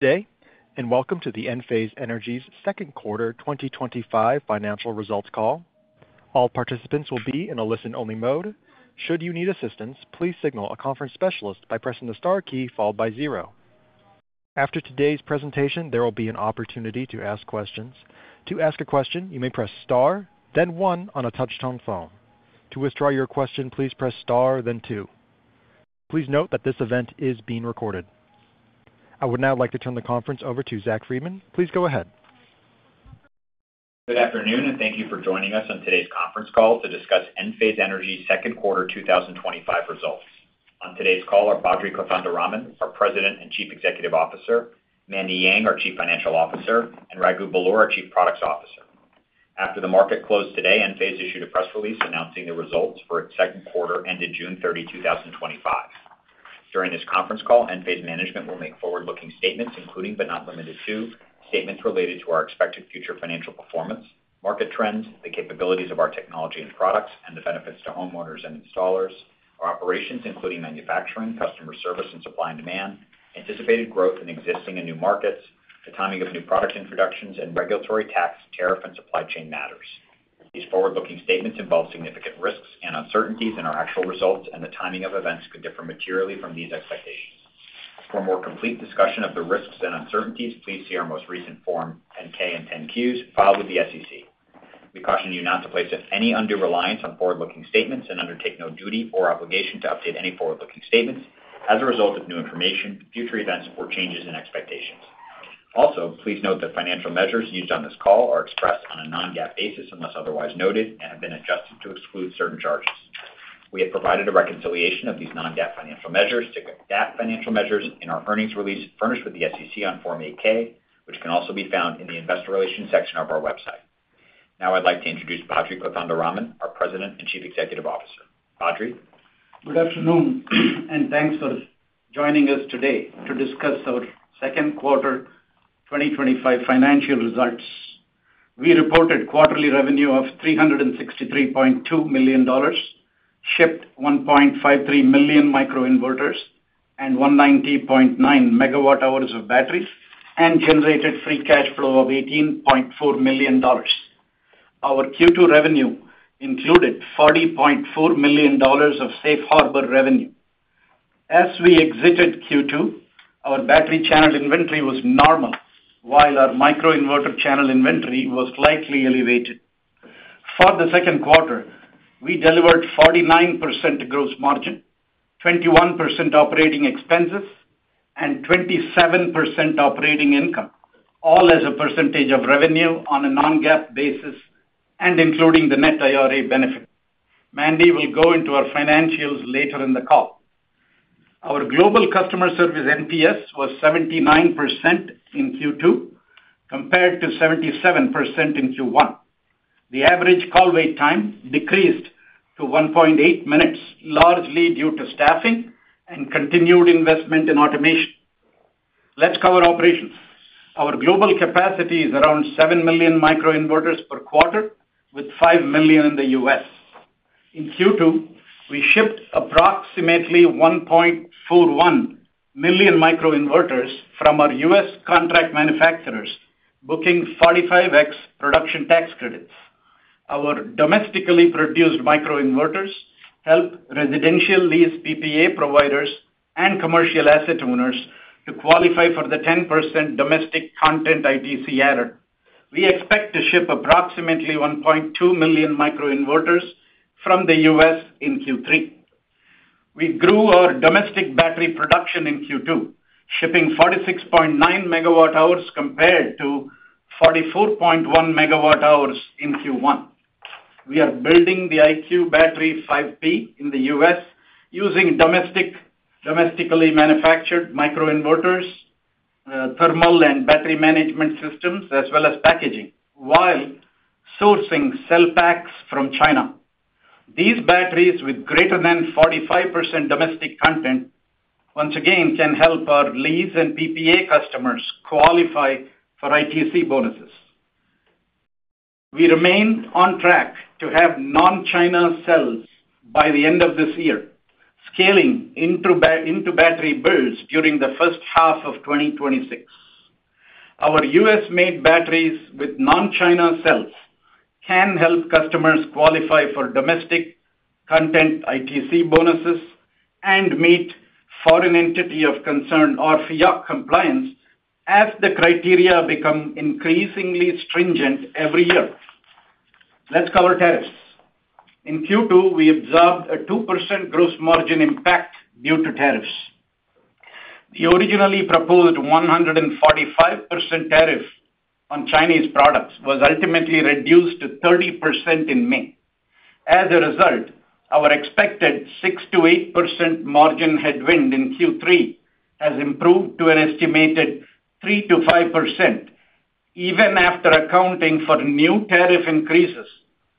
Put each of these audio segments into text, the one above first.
Good day and welcome to Enphase Energy's second quarter 2025 financial results call. All participants will be in a listen-only mode. Should you need assistance, please signal a conference specialist by pressing the star key followed by zero. After today's presentation, there will be an opportunity to ask questions. To ask a question, you may press star then one on a touchtone phone. To withdraw your question, please press star then two. Please note that this event is being recorded. I would now like to turn the conference over to Zach Freedman. Please go ahead. Good afternoon and thank you for joining us on today's conference call to discuss Enphase Energy's second quarter 2025 results. On today's call are Badri Kothandaraman, our President and Chief Executive Officer, Mandy Yang, our Chief Financial Officer, and Raghu Belur, our Chief Products Officer. After the market closed today, Enphase Energy issued a press release announcing the results for its second quarter ended June 30, 2025. During this conference call, Enphase Energy management will make forward-looking statements including, but not limited to, statements related to our expected future financial performance, market trends, the capabilities of our technology and products and the benefits to homeowners and installers, our operations including manufacturing, customer service and supply and demand, anticipated growth in existing and new markets, the timing of new product introductions, and regulatory, tax, tariff, and supply chain matters. These forward-looking statements involve significant risks and uncertainties and our actual results and the timing of events could differ materially from these expectations. For a more complete discussion of the risks and uncertainties, please see our most recent Form 10-K and 10-Qs filed with the SEC. We caution you not to place any undue reliance on forward-looking statements and undertake no duty or obligation to update any forward-looking statements as a result of new information, future events, or changes in expectations. Also, please note that financial measures used on this call are expressed on a non-GAAP basis unless otherwise noted and have been adjusted to exclude certain charges. We have provided a reconciliation of these non-GAAP financial measures to GAAP financial measures in our earnings release furnished with the SEC on Form 8-K, which can also be found in the Investor Relations section of our website. Now I'd like to introduce Badri Kothandaraman, our President and Chief Executive Officer. Badri, good afternoon and thanks for joining us today to discuss our second quarter 2025 financial results. We reported quarterly revenue of $363.2 million, shipped 1.53 million microinverters and 190.9 MWh of batteries, and generated free cash flow of $18.4 million. Our Q2 revenue included $40.4 million of safe harbor revenue. As we exited Q2, our battery channel inventory was normal while our microinverter channel inventory was slightly elevated. For the second quarter, we delivered 49% gross margin, 21% operating expenses, and 27% operating income, all as a percentage of revenue on a non-GAAP basis and including the net IRA benefit. Mandy will go into our financials later in the call. Our global customer service NPS was 79% in Q2 compared to 77% in Q1. The average call wait time decreased to 1.8 minutes, largely due to staffing and continued investment in automation. Let's cover operations. Our global capacity is around 7` million microinverters per quarter with 5 million in the U.S. In Q2, we shipped approximately 1.41 million microinverters from our U.S. contract manufacturers, booking 45x production tax credits. Our domestically produced microinverters help residential lease PPA providers and commercial asset owners to qualify for the 10% domestic content ITC adder. We expect to ship approximately 1.2 million microinverters from the U.S. in Q3. We grew our domestic battery production in Q2, shipping 46.9 MWh compared to 44.1 MWh in Q1. We are building the IQ Battery 5P in the U.S. using domestically manufactured microinverters, thermal and battery management systems, as well as packaging, while sourcing cell packs from China. These batteries with greater than 45% domestic content once again can help our lease and PPA customers qualify for ITC bonuses. We remain on track to have non-China cells by the end of this year. Scaling into battery builds during the first half of 2026, our U.S.-made batteries with non-China cells can help customers qualify for domestic content ITC bonuses and meet Foreign Entity of Concern or FEOC compliance as the criteria become increasingly stringent every year. Let's cover tariffs. In Q2, we absorbed a 2% gross margin impact due to tariffs. The originally proposed 145% tariff on Chinese products was ultimately reduced to 30% in May. As a result, our expected 6%-8% margin headwind in Q3 has improved to an estimated 3%-5% even after accounting for new tariff increases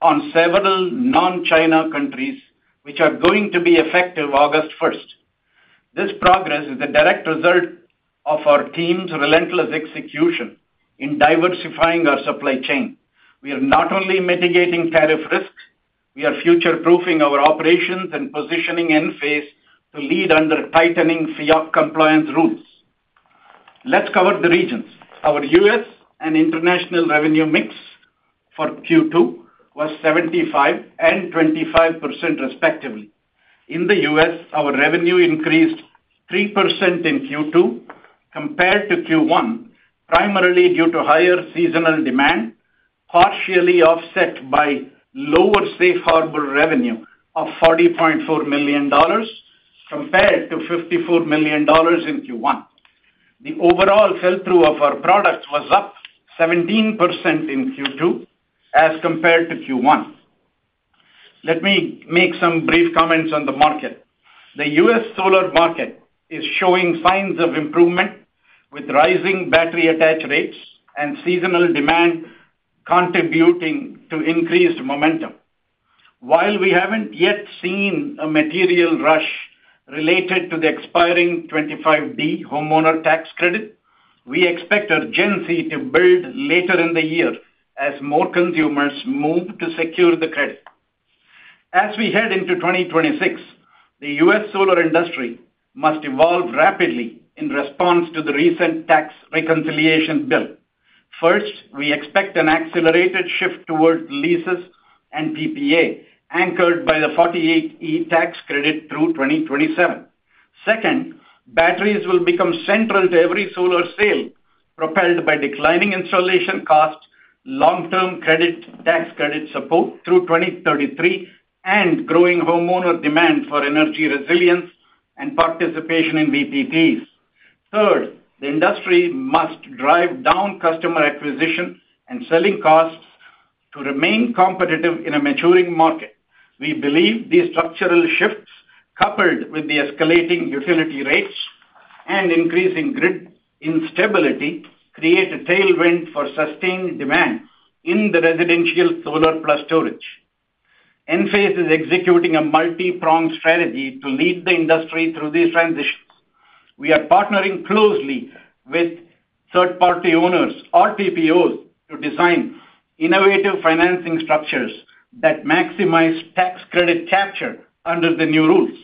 on several non-China countries which are going to be effective August 1st. This progress is a direct result of our team's relentless execution in diversifying our supply chain. We are not only mitigating tariff risks, we are future-proofing our operations and positioning Enphase Energy to lead under tightening FEOC compliance rules. Let's cover the regions. Our U.S. and international revenue mix for Q2 was 75% and 25% respectively. In the U.S., our revenue increased 3% in Q2 compared to Q1, primarily due to higher seasonal demand, partially offset by lower safe harbor revenue of $40.4 million compared to $54 million in Q1. The overall sell-through of our products was up 17% in Q2 as compared to Q1. Let me make some brief comments on the market. The U.S. solar market is showing signs of improvement with rising battery attach rates and seasonal demand contributing to increased momentum. While we haven't yet seen a material rush related to the expiring 25D homeowner tax credit, we expect urgency to build later in the year as more consumers move to secure the credit. As we head into 2026, the U.S. solar industry must evolve rapidly in response to the recent tax reconciliation bill. First, we expect an accelerated shift towards leases and PPA anchored by the 48E tax credit through 2027. Second, batteries will become central to every solar sale, propelled by declining installation costs, long-term tax credit support through 2033, and growing homeowner demand for energy resilience and participation in VPPs. Third, the industry must drive down customer acquisition and selling costs to remain competitive in a maturing market. We believe these structural shifts, coupled with the escalating utility rates and increasing grid instability, create a tailwind for sustained demand in residential solar plus storage. Enphase Energy is executing a multi-pronged strategy to lead the industry through these transitions. We are partnering closely with third-party owner, or TPO, providers to design innovative financing structures that maximize tax credit capture under the new rules.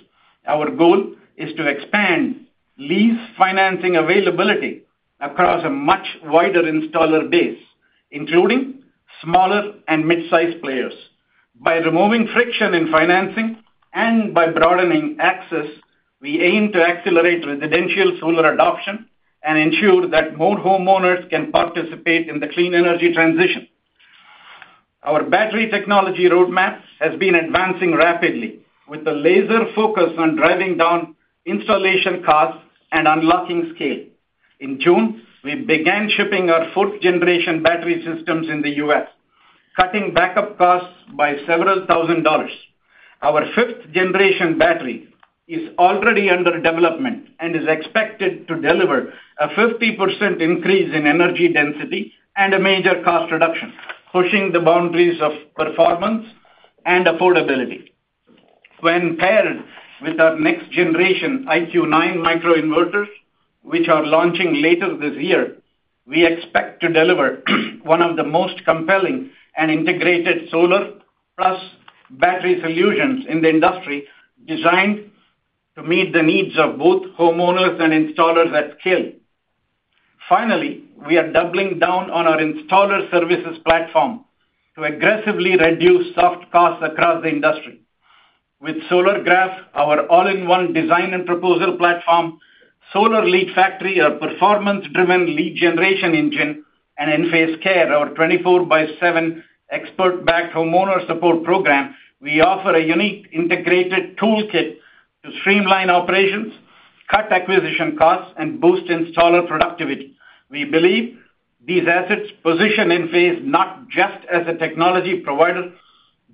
Our goal is to expand lease financing availability across a much wider installer base, including smaller and mid-sized players. By removing friction in financing and by broadening access, we aim to accelerate residential solar adoption and ensure that more homeowners can participate in the clean energy transition. Our battery technology roadmap has been advancing rapidly with a laser focus on driving down installation costs and unlocking scale. In June we began shipping our 4th-generation battery systems in the U.S., cutting backup costs by several thousand dollars. Our 5th-generation battery is already under development and is expected to deliver a 50% increase in energy density and a major cost reduction, pushing the boundaries of performance and affordability. When paired with our next-generation IQ9 microinverters, which are launching later this year, we expect to deliver one of the most compelling and integrated solar plus battery solutions in the industry, designed to meet the needs of both homeowners and installers at scale. Finally, we are doubling down on our installer services platform to aggressively reduce soft costs across the industry. With SolarGraph, our all-in-one design and proposal platform, Solar Lead Factory, our performance-driven lead generation engine, and Enphase Care, our 24x7 expert-backed homeowner support program, we offer a unique integrated toolkit to streamline operations, cut acquisition costs, and boost installer productivity. We believe these assets position Enphase not just as a technology provider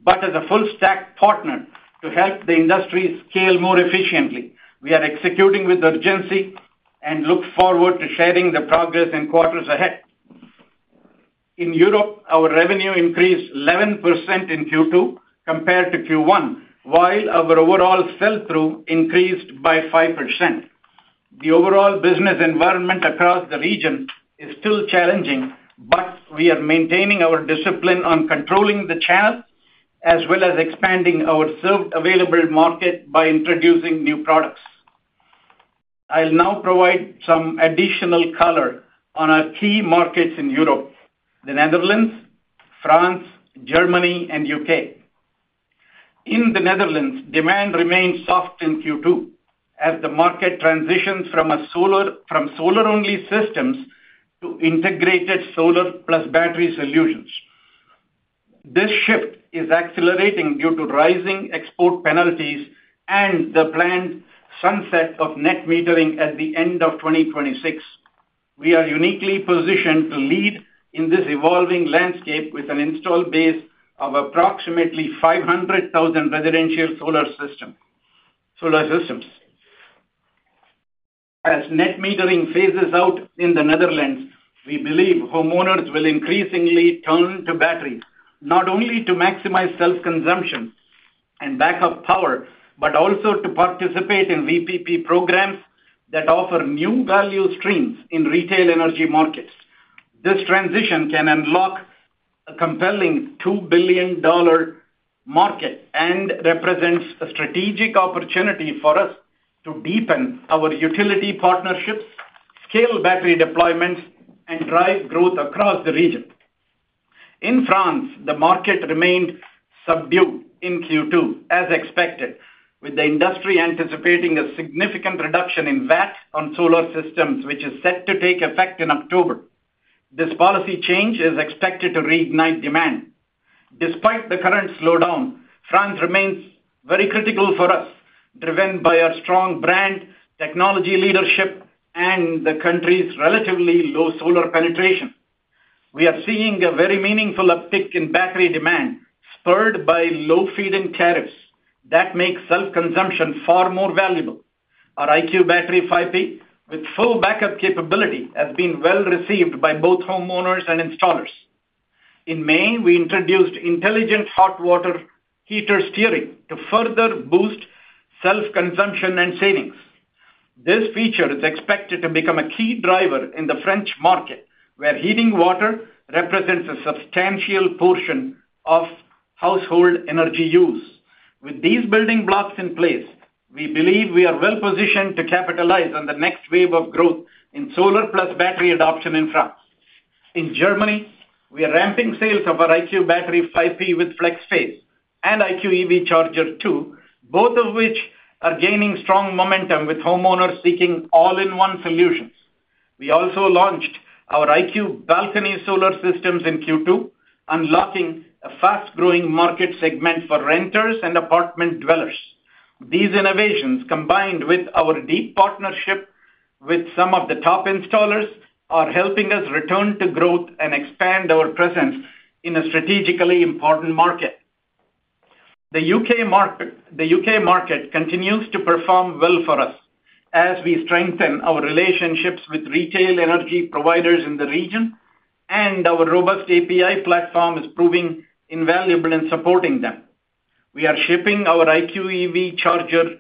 but as a full-stack partner to help the industry scale more efficiently. We are executing with urgency and look forward to sharing the progress in quarters ahead. In Europe, our revenue increased 11% in Q2 compared to Q1, while our overall sell-through increased by 5%. The overall business environment across the region is still challenging, but we are maintaining our discipline on controlling the channel as well as expanding our served available market by introducing new products. I'll now provide some additional color on our key markets in Europe: the Netherlands, France, Germany, and UK. In the Netherlands, demand remains soft in Q2 as the market transitions from solar-only systems to integrated solar plus battery solutions. This shift is accelerating due to rising export penalties and the planned sunset of net metering at the end of 2026. We are uniquely positioned to lead in this evolving landscape with an installed base of approximately 500,000 residential solar systems. As net metering phases out in the Netherlands, we believe homeowners will increasingly turn to batteries not only to maximize self consumption and backup power, but also to participate in VPP programs that offer new value streams in retail energy markets. This transition can unlock a compelling $2 billion market and represents a strategic opportunity for us to deepen our utility partnerships, scale battery deployments, and drive growth across the region. In France, the market remained subdued in Q2 as expected, with the industry anticipating a significant reduction in VAT on solar systems which is set to take effect in October. This policy change is expected to reignite demand. Despite the current slowdown, France remains very critical for us. Driven by our strong brand, technology leadership, and the country's relatively low solar penetration, we are seeing a very meaningful uptick in battery demand spurred by low feed-in tariffs that make self consumption far more valuable. Our IQ Battery 5P with full backup capability has been well received by both homeowners and installers. In May, we introduced intelligent hot water heater steering to further boost self consumption and savings. This feature is expected to become a key driver in the French market, where heating water represents a substantial portion of household energy use. With these building blocks in place, we believe we are well positioned to capitalize on the next wave of growth in solar plus battery adoption in France. In Germany, we are ramping sales of our IQ Battery 5P with FlexPhase and IQ EV Charger 2, both of which are gaining strong momentum with homeowners seeking all-in-one solutions. We also launched our IQ Balcony Solar systems in Q2, unlocking a fast growing market segment for renters and apartment dwellers. These innovations, combined with our deep partnership with some of the top installers, are helping us return to growth and expand our presence in a strategically important market. The UK market continues to perform well for us as we strengthen our relationships with retail energy providers in the region, and our robust API platform is proving invaluable in supporting them. We are shipping our IQ EV Charger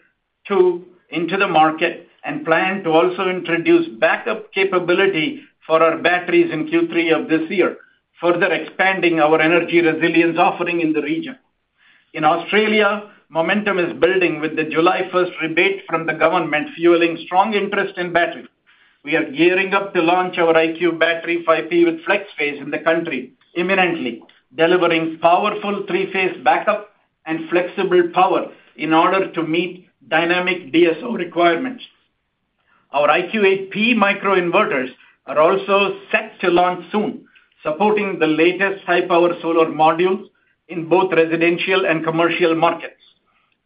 2 into the market and plan to also introduce backup capability for our batteries in Q3 of this year, further expanding our energy resilience offering in the region. In Australia, momentum is building with the July 1st rebate from the government fueling strong interest in batteries. We are gearing up to launch our IQ Battery 5P with FlexPhase in the country, imminently delivering powerful 3-phase backup and flexible power in order to meet dynamic DSO requirements. Our IQ8P microinverters are also set to launch soon, supporting the latest high-power solar modules in both residential and commercial markets.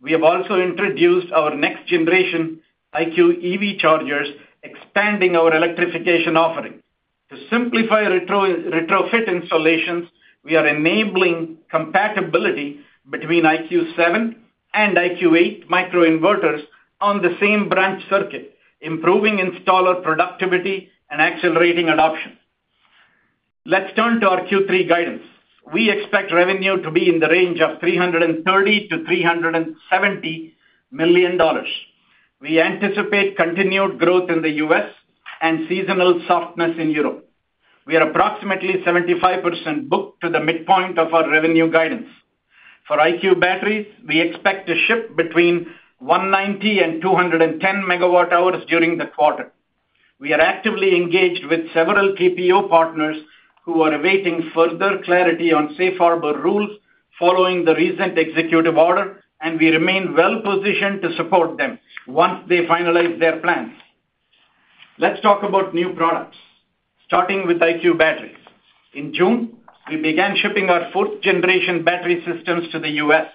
We have also introduced our next-generation IQ EV Chargers, expanding our electrification offering to simplify retrofit installations. We are enabling compatibility between IQ7 and IQ8 microinverters on the same branch circuit, improving installer productivity and accelerating adoption. Let's turn to our Q3 guidance. We expect revenue to be in the range of $330 million-$370 million. We anticipate continued growth in the U.S. and seasonal softness in Europe. We are approximately 75% booked to the midpoint of our revenue guidance for IQ Batteries. We expect to ship between 190 MWh-210 MWh during the quarter. We are actively engaged with several TPO partners who are awaiting further clarity on safe harbor rules following the recent executive order, and we remain well positioned to support them once they finalize their plans. Let's talk about new products starting with IQ Batteries. In June, we began shipping our 4th-generation battery systems to the U.S.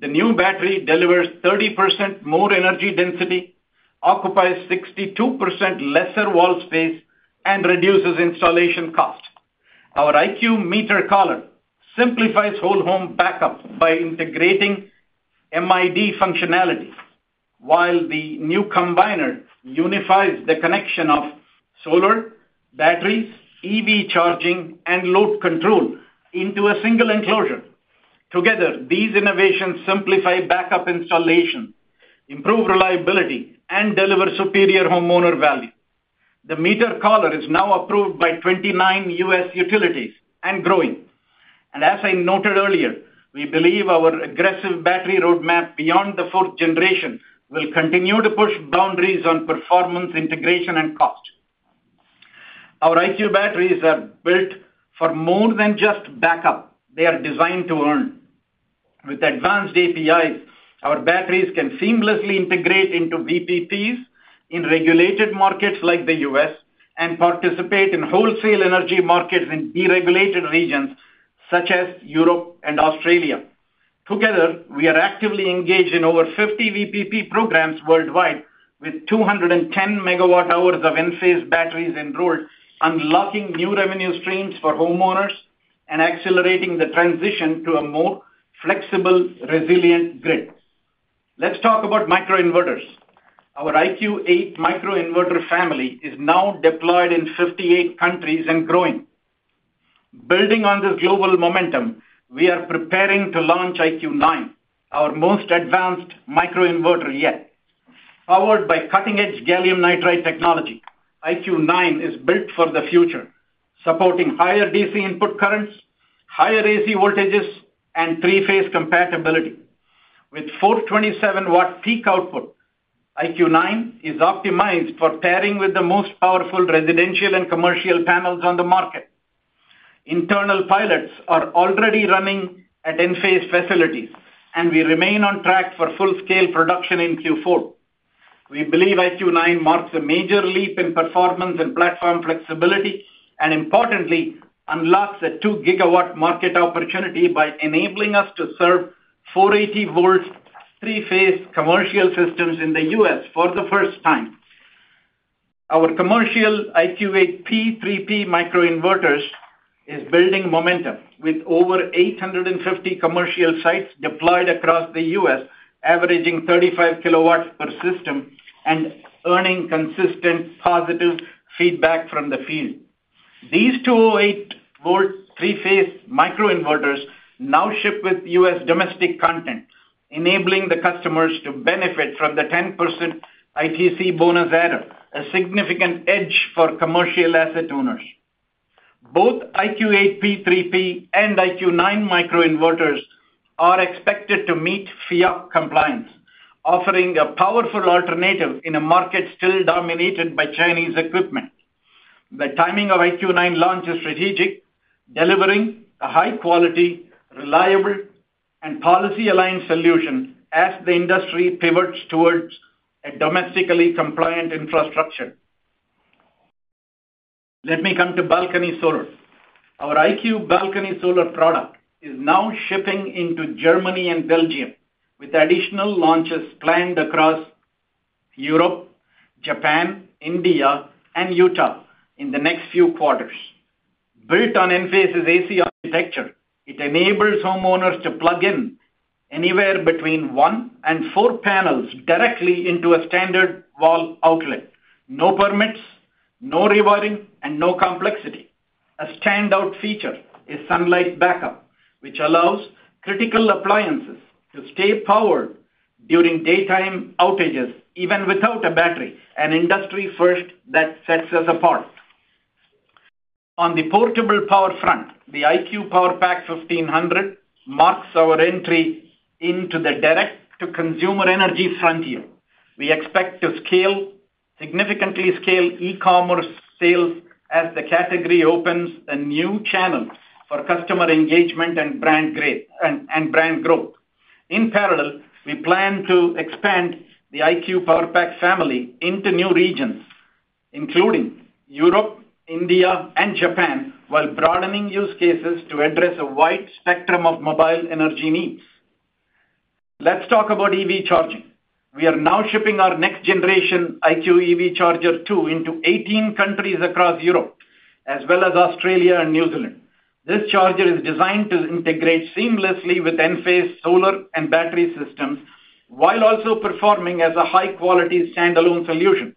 The new battery delivers 30% more energy density, occupies 62% less wall space, and reduces installation cost. Our IQ Meter Collar simplifies whole home backup by integrating MID functionality, while the new combiner unifies the connection of solar, batteries, EV charging, and load control into a single enclosure. Together, these innovations simplify backup installation, improve reliability, and deliver superior homeowner value. The Meter Collar is now approved by 29 U.S. utilities and growing, and as I noted earlier, we believe our aggressive battery roadmap beyond the 4th-generation will continue to push boundaries on performance, integration, and cost. Our IQ Batteries are built for more than just backup; they are designed to earn with advanced APIs. Our batteries can seamlessly integrate into VPPs in regulated markets like the U.S. and participate in wholesale energy markets in deregulated regions such as Europe and Australia. Together, we are actively engaged in over 50 VPP programs worldwide with 210 MWh of Enphase batteries enrolled, unlocking new revenue streams for homeowners and accelerating the transition to a more flexible, resilient grid. Let's talk about microinverters. Our IQ8 microinverter family is now deployed in 58 countries and growing. Building on this global momentum, we are preparing to launch IQ9, our most advanced microinverter yet. Powered by cutting-edge gallium nitride technology, IQ9 is built for the future, supporting higher DC input currents, higher AC voltages, and three-phase compatibility with 427 W peak output. IQ9 is optimized for pairing with the most powerful residential and commercial panels on the market. Internal pilots are already running at Enphase Energy facilities, and we remain on track for full-scale production in Q4. We believe IQ9 marks a major leap in performance and platform flexibility and, importantly, unlocks a 2 GW market opportunity by enabling us to serve 480 volt 3-phase commercial systems in the U.S. for the first time. Our commercial IQ8P 3P microinverters are building momentum with over 850 commercial sites deployed across the U.S., averaging 35 kW per system and earning consistent positive feedback from the field. These 208 volt 3-phase microinverters now ship with U.S. domestic content, enabling the customers to benefit from the 10% ITC bonus, a significant edge for commercial asset owners. Both IQ8P 3P and IQ9 microinverters are expected to meet FEOC compliance, offering a powerful alternative in a market still dominated by Chinese equipment. The timing of the IQ9 launch is strategic, delivering a high-quality, reliable, and policy-aligned solution as the industry pivots towards a domestically compliant infrastructure. Let me come to Balcony Solar. Our IQ Balcony Solar product is now shipping into Germany and Belgium, with additional launches planned across Europe, Japan, India, and Utah in the next few quarters. Built on Enphase Energy's AC architecture, it enables homeowners to plug in anywhere between one and four panels directly into a standard wall outlet. No permits, no rewiring, and no complexity. A standout feature is Sunlight Backup, which allows critical appliances to stay powered during daytime outages even without a battery. An industry first that sets us apart on the portable power front. The IQ PowerPack 1500 marks our entry into the direct-to-consumer energy frontier. We expect to significantly scale e-commerce sales as the category opens a new channel for customer engagement and brand growth. In parallel, we plan to expand the IQ PowerPack family into new regions including Europe, India, and Japan while broadening use cases to address a wide spectrum of mobile energy needs. Let's talk about EV charging. We are now shipping our next-generation IQ EV Charger 2 into 18 countries across Europe as well as Australia and New Zealand. This charger is designed to integrate seamlessly with Enphase solar and battery systems while also performing as a high-quality standalone solution.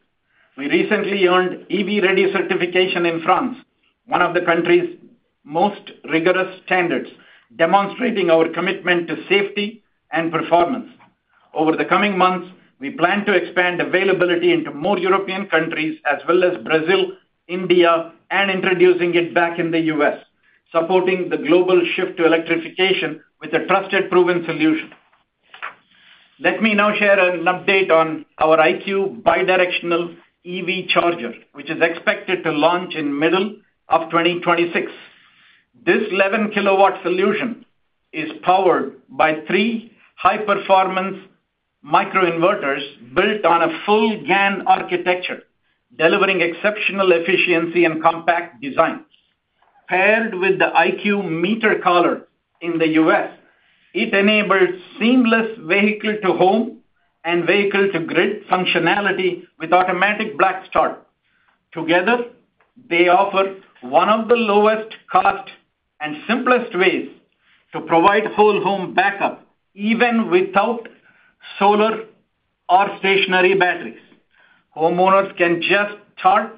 We recently earned EV Ready certification in France, one of the country's most rigorous standards, demonstrating our commitment to safety and performance. Over the coming months, we plan to expand availability into more European countries as well as Brazil, India, and introducing it back in the U.S., supporting the global shift to electrification with a trusted, proven solution. Let me now share an update on our IQ bidirectional EV charger, which is expected to launch in the middle of 2026. This 11 kW solution is powered by three high-performance microinverters built on a full gallium nitride architecture, delivering exceptional efficiency and compact design. Paired with the IQ Meter Collar in the U.S., it enables seamless vehicle-to-home and vehicle-to-grid functionality with automatic black start. Together, they offer one of the lowest cost and simplest ways to provide whole home backup, even without solar or stationary batteries. Homeowners can just charge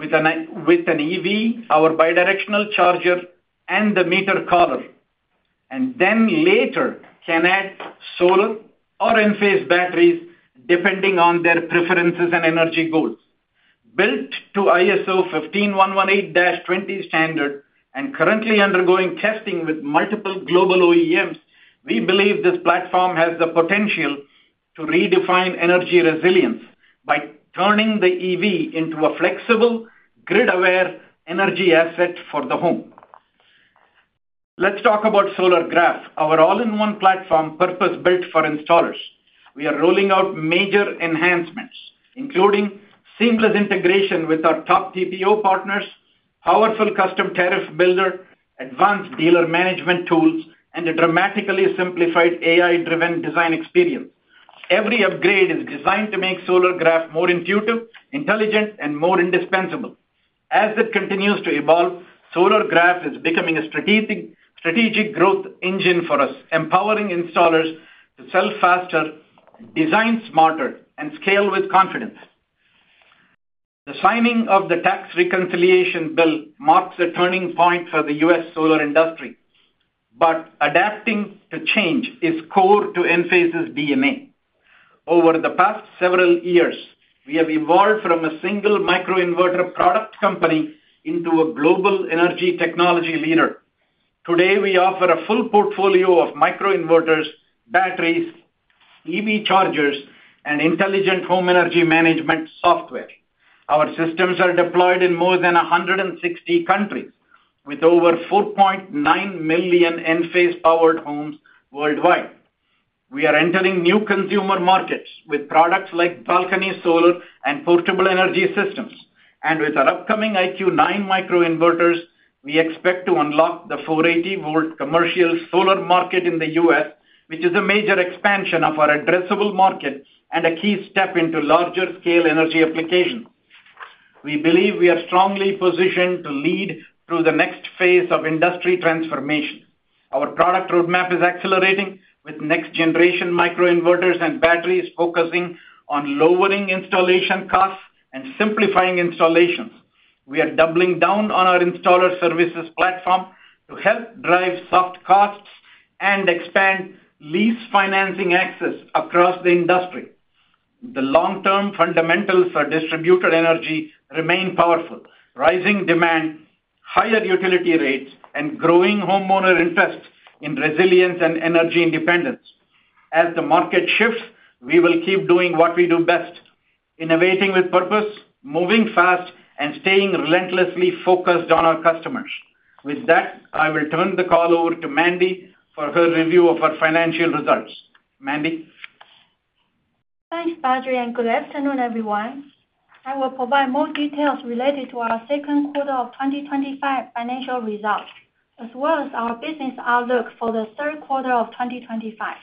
with an EV, our bidirectional charger, and the Meter Collar, and then later can add solar or Enphase batteries depending on their preferences and energy goals. Built to ISO15118-20 standard and currently undergoing testing with multiple global OEMs, we believe this platform has the potential to redefine energy resilience by turning the EV into a flexible, grid-aware energy asset for the home. Let's talk about SolarGraph, our all-in-one platform purpose-built for installers. We are rolling out major enhancements, including seamless integration with our top TPO partners, powerful custom tariff builder, advanced dealer management tools, and a dramatically simplified AI-driven design experience. Every upgrade is designed to make SolarGraph more intuitive, intelligent, and more indispensable. As it continues to evolve, SolarGraph is becoming a strategic growth engine for us, empowering installers to sell faster, design smarter, and scale with confidence. The signing of the tax reconciliation bill marks a turning point for the U.S. solar industry, but adapting to change is core to Enphase's DNA. Over the past several years, we have evolved from a single microinverter product company into a global energy technology leader. Today, we offer a full portfolio of microinverters, batteries, EV chargers, and intelligent home energy management software. Our systems are deployed in more than 160 countries with over 4.9 million Enphase-powered homes worldwide. We are entering new consumer markets with products like Balcony Solar and portable energy systems. With our upcoming IQ9 microinverters, we expect to unlock the 480 volt commercial solar market in the U.S., which is a major expansion of our addressable market and a key step into larger scale energy applications. We believe we are strongly positioned to lead through the next phase of industry transformation. Our product roadmap is accelerating with next-generation microinverters and batteries, focusing on lowering installation costs and simplifying installations. We are doubling down on our installer services platform to help drive soft costs and expand lease financing access across the industry. The long-term fundamentals for distributed energy remain powerful: rising demand, higher utility rates, and growing homeowner interest in resilience and energy independence. As the market shifts, we will keep doing what we do best, innovating with purpose, moving fast, and staying relentlessly focused on our customers. With that, I will turn the call over to Mandy for her review of our financial results. Mandy, thanks Badri and good afternoon everyone. I will provide more details related to our second quarter of 2025 financial results as well as our business outlook for the third quarter of 2025.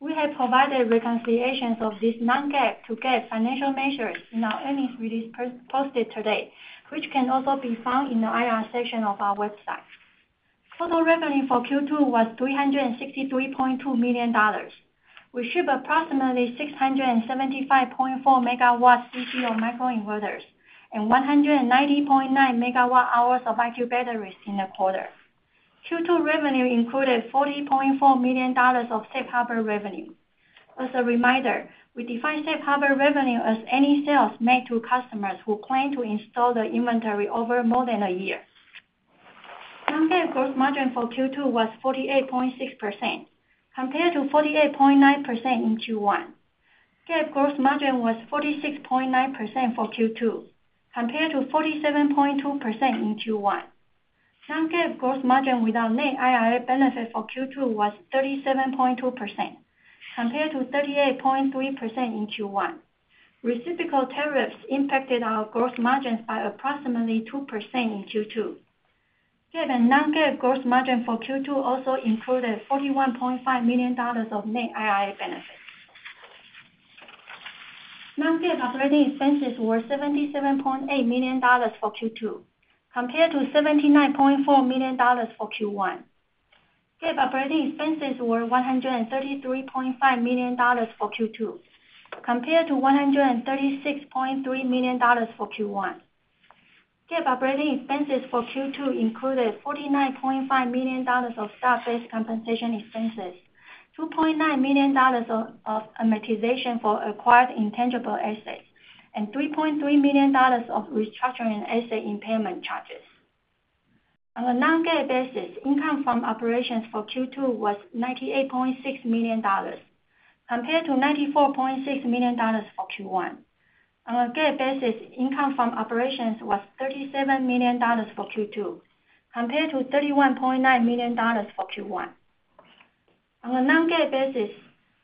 We have provided reconciliations of these non-GAAP to GAAP financial measures in our earnings release posted today, which can also be found in the IR section of our website. Total revenue for Q2 was $363.2 million. We shipped approximately 675.4 MW CCO microinverters and 190.9 MWh of IQ batteries in the quarter. Q2 revenue included $40.4 million of safe harbor revenue. As a reminder, we define safe harbor revenue as any sales made to customers who claim to install the inventory over more than a year. Non-GAAP gross margin for Q2 was 48.6% compared to 48.9% in Q1. GAAP gross margin was 46.9% for Q2 compared to 47.2% in Q1. Non-GAAP gross margin without net IRA benefit for Q2 was 37.2% compared to 38.3% in Q1. Reciprocal tariffs impacted our gross margins by approximately 2% in Q2 GAAP and non-GAAP. Gross margin for Q2 also included $41.5 million of net IRA benefit. Non-GAAP operating expenses were $77.8 million for Q2 compared to $79.4 million for Q1. GAAP operating expenses were $133.5 million for Q2 compared to $136.3 million for Q1. GAAP operating expenses for Q2 included $49.5 million of stock-based compensation expenses, $2.9 million of amortization for acquired intangible assets, and $3.3 million of restructuring asset impairment charges. On a non-GAAP basis, income from operations for Q2 was $98.6 million compared to $94.6 million for Q1. On a GAAP basis, income from operations was $37 million for Q2 compared to $31.9 million for Q1. On a non-GAAP basis,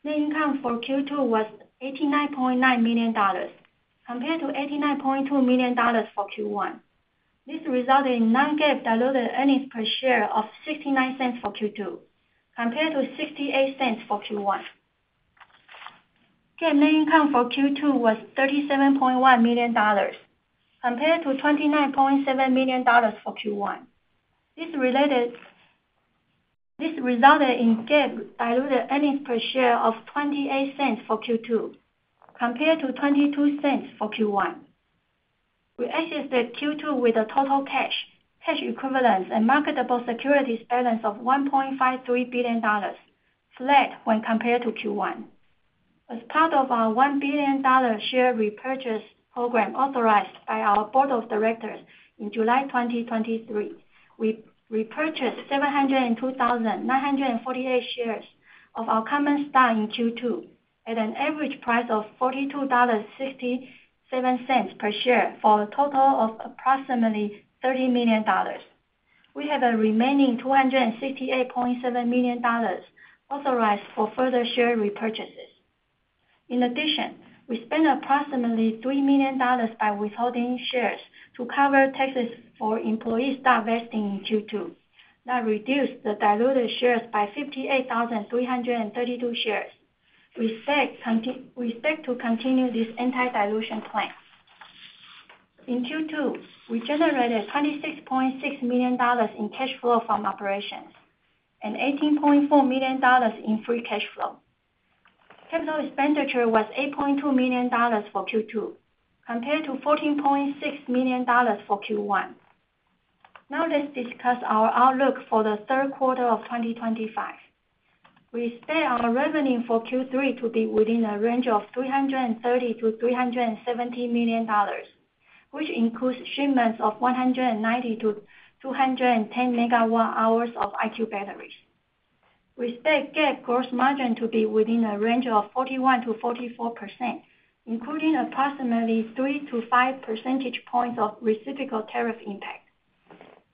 net income for Q2 was $89.9 million compared to $89.2 million for Q1. This resulted in non-GAAP diluted earnings per share of $0.69 for Q2 compared to $0.68 for Q1. GAAP net income for Q2 was $37.1 million compared to $29.7 million for Q1. This resulted in GAAP diluted earnings per share of $0.28 for Q2 compared to $0.22 for Q1. We assessed that Q2 with the total cash, cash equivalents and marketable securities balance of $1.53 billion, flat when compared to Q1. As part of our $1 billion share repurchase program authorized by our Board of Directors in July 2023, we repurchased 702,948 shares of our common stock in Q2 at an average price of $42.67 per share for a total of approximately $30 million. We have a remaining $268.7 million authorized for further share repurchases. In addition, we spent approximately $3 million by withholding shares to cover taxes for employees' start vesting in Q2 that reduced the diluted shares by 58,332 shares. We expect to continue this anti-dilution plan in Q2. We generated $26.6 million in cash flow from operations and $18.4 million in free cash flow. Capital expenditure was $8.2 million for Q2 compared to $14.6 million for Q1. Now let's discuss our outlook for the third quarter of 2025. We expect our revenue for Q3 to be within a range of $330 million-$370 million, which includes shipments of 190 MWh-210 MWh of IQ batteries. We expect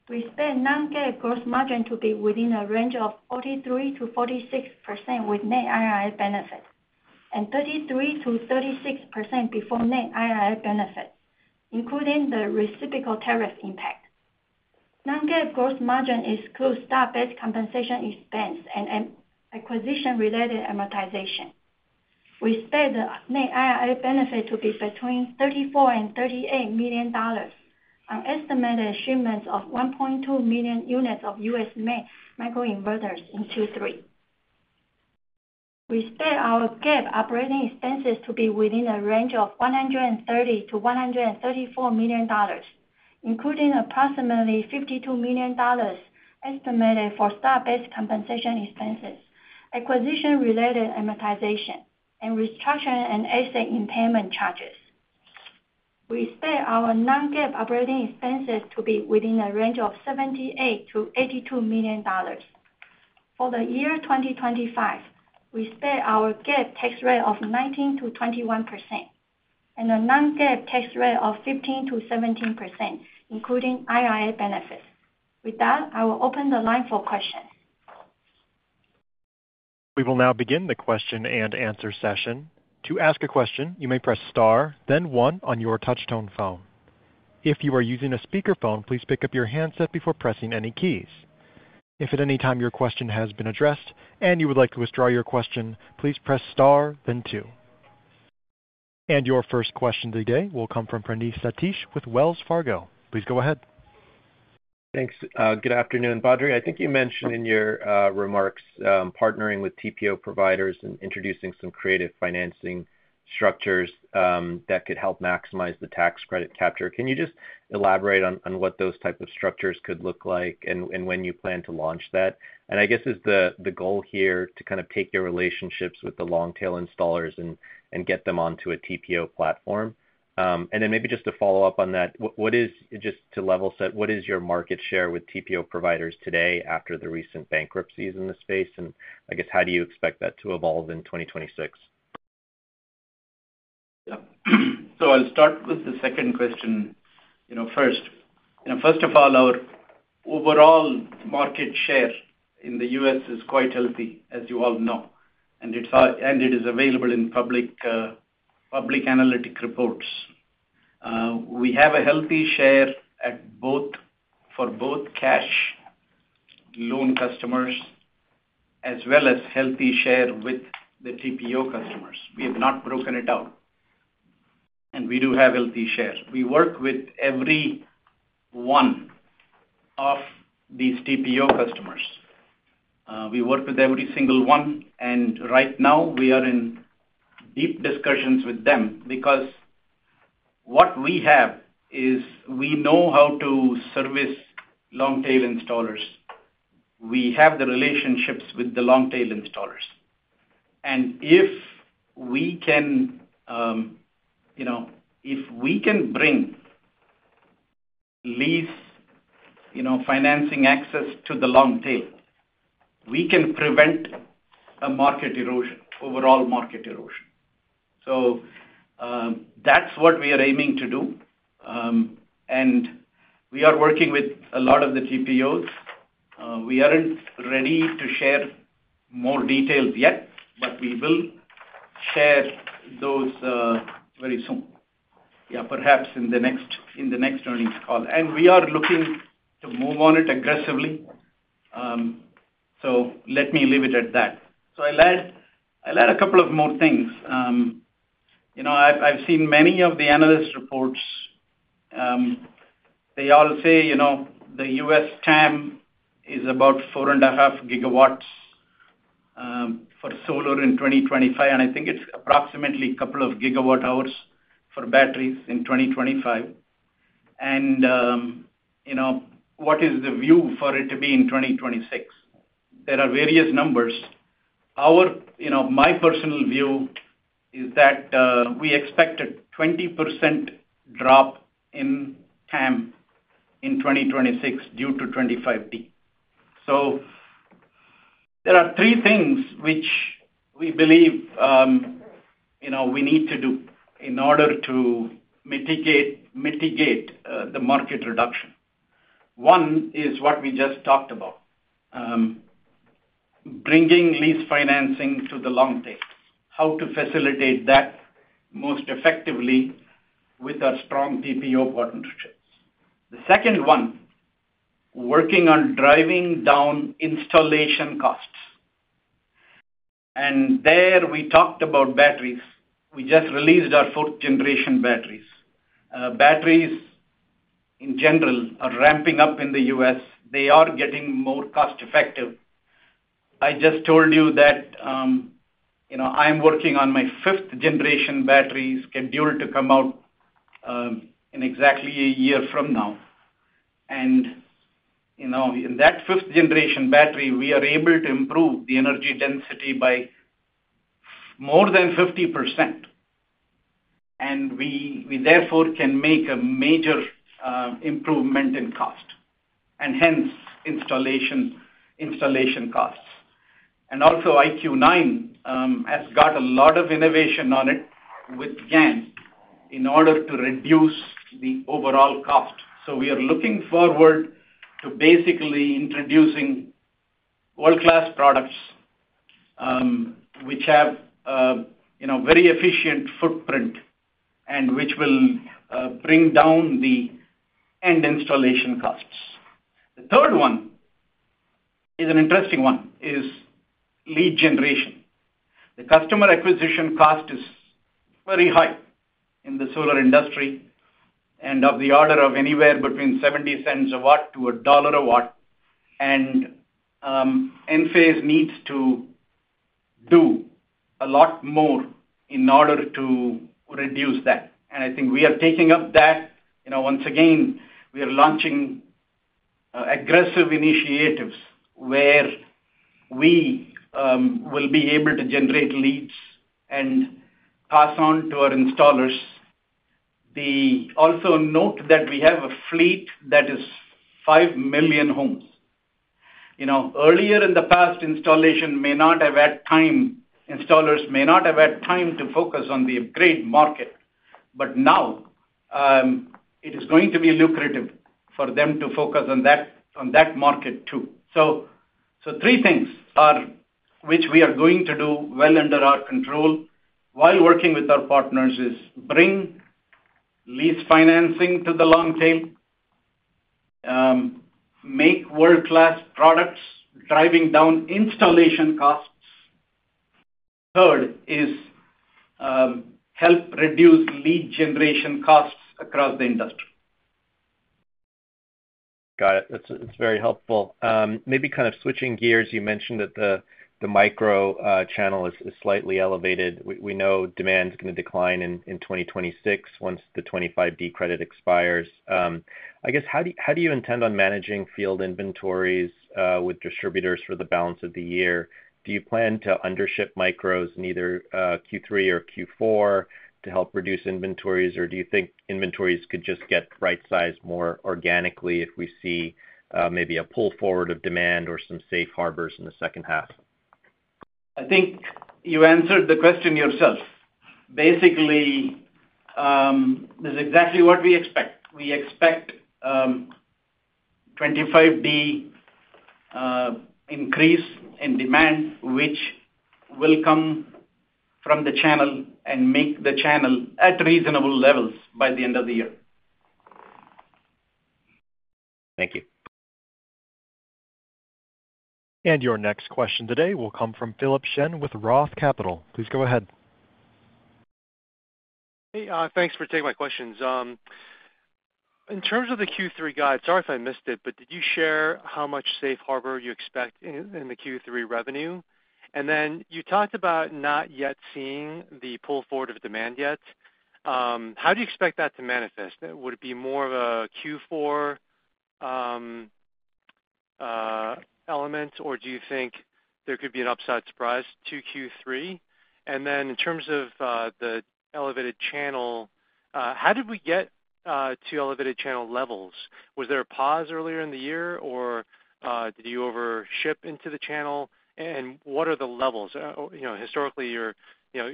GAAP gross margin to be within a range of 41%-44%, including approximately three to five percentage points of reciprocal tariff impact. We expect non-GAAP gross margin to be within a range of 43%-46% with net IRA benefit and 33%-36% before net IRA benefit, including the reciprocal tariff impact. Non-GAAP gross margin excludes stock-based compensation expense and acquisition-related amortization. We expect the net IRA benefit to be between $34 and $38 million, and estimated shipment of 1.2 million units of U.S.-made microinverters in Q3. We expect our GAAP operating expenses to be within the range of $130million-$134 million, including approximately $52 million estimated for stock-based compensation expenses, acquisition-related amortization, and restructuring and asset impairment charges. We expect our non-GAAP operating expenses to be within the range of $78 million-$82 million for the year 2025. We expect our GAAP tax rate of 19%-21% and a non-GAAP tax rate of 15%-17% including IRA benefits. With that, I will open the line for questions. We will now begin the question and answer session. To ask a question, you may press star then one on your touchtone phone. If you are using a speakerphone, please pick up your handset before pressing any keys. If at any time your question has been addressed and you would like to withdraw your question, please press star then two. Your first question today will come from Praneeth Satish with Wells Fargo. Please go ahead. Thanks. Good afternoon Badri, I think you mentioned in your remarks partnering with TPO providers and introducing some creative financing structures that could help maximize the tax credit capture. Can you just elaborate on what those type of structures could look like and when you plan to launch that? I guess is the goal here to kind of take your relationships with the long tail installers and get them onto a TPO platform and then maybe just to follow up on that, just to level set, what is your market share with TPO providers today after the recent bankruptcies in the space? I guess how do you expect that to evolve in 2026? I'll start with the second question first. First of all, our overall market share in the U.S. is quite healthy, as you all know, and it is available in public analytic reports. We have a healthy share for both cash loan customers as well as healthy share with the TPO customers. We have not broken it out and we do have healthy share. We work with every one of these TPO customers. We work with every single one. Right now we are in deep discussions with them because what we have is we know how to service Long Tail installers, we have the relationships with the Long Tail installers. If we can bring lease financing access to the Long Tail, we can prevent a market erosion, overall market erosion. That is what we are aiming to do. We are working with a lot of the TPOs. We aren't ready to share more details yet, but we will share those very soon, perhaps in the next earnings call, and we are looking to move on it aggressively. Let me leave it at that. I'll add a couple more things. I've seen many of the analyst reports. They all say the U.S. TAM is about 4.5 GW for solar in 2025. I think it's approximately a couple of gigawatt hours for batteries in 2025. What is the view for it to be in 2026? There are various numbers. My personal view is that we expect a 20% drop in TAM in 2026 due to 25D. There are three things which we believe we need to do in order to mitigate the market reduction. One is what we just talked about, bringing lease financing to the Long Tail, how to facilitate that most effectively with a strong PPA partnership. The second one, working on driving down installation costs. There we talked about batteries. We just released our 4th-generation batteries. Batteries in general are ramping up in the U.S., they are getting more cost effective. I just told you that I am working on my 5th-generation batteries scheduled to come out in exactly a year from now. In that 5th-generation battery we are able to improve the energy density by more than 50% and we therefore can make a major improvement in cost and hence installation costs. Also, IQ9 has got a lot of innovation on it with gallium nitride in order to reduce the overall cost. We are looking forward to basically introducing world class products which have very efficient footprint and which will bring down the end installation costs. The third one is an interesting one, lead generation. The customer acquisition cost is very high in the solar industry and of the order of anywhere between $0.70 a W to $1.00 a W, and Enphase Energy needs to do a lot more in order to reduce that. I think we are taking up that once again. We are launching aggressive initiatives where we will be able to generate leads and pass on to our installers. Also note that we have a fleet that is 5 million homes. Earlier, in the past, installers may not have had time to focus on the upgrade market. Now it is going to be lucrative for them to focus on that market too. Three things which we are going to do well under our control while working with our partners is bring lease financing to the Long Tail, make world-class products driving down installation costs, and help reduce lead generation costs across the industry. Got it. It's very helpful. Maybe kind of switching gears. You mentioned that the micro channel is slightly elevated. We know demand is going to decline in 2026 once the 25D credit expires, I guess. How do you intend on managing field inventories with distributors for the balance of the year? Do you plan to under ship micros in either Q3 or Q4 to help reduce inventories, or do you think inventories could just get right sized more organically if we see maybe a pull forward of demand or some safe harbors in the second half? I think you answered the question yourself. Basically, this is exactly what we expect. We expect 25D increase in demand, which will come from the channel and make the channel at reasonable levels by the end of the year. Thank you. Your next question today will come from Philip Shen with ROTH Capital. Please go ahead. Hey, thanks for taking my questions in. terms of the Q3 guide, sorry if I missed it, but did you share how much safe harbor you expect in the Q3 revenue? You talked about not yet. Seeing the pull forward of demand, yet how do you expect that to manifest? Would it be more of a Q4 element, or do you think there could be an upside surprise to Q3? In terms of the elevated channel, how did we get to elevated channel levels? Was there a pause earlier in the year, or did you over ship into the channel? What are the levels historically?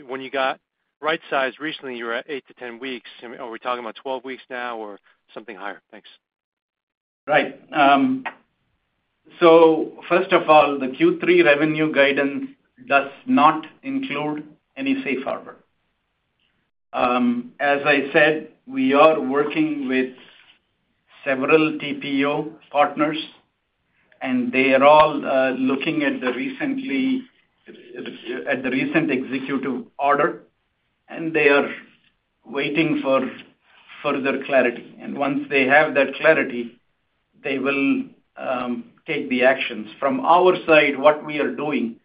When you got right size recently, you were at eight-ten weeks. Are we talking about twelve weeks now or something higher? Thanks. Right. First of all, the Q3 revenue guidance does not include any safe harbor. As I said, we are working with several TPO partners and they are all looking at the recent executive order and waiting for further clarity. Once they have that clarity, they will take the actions. From our side, what we are doing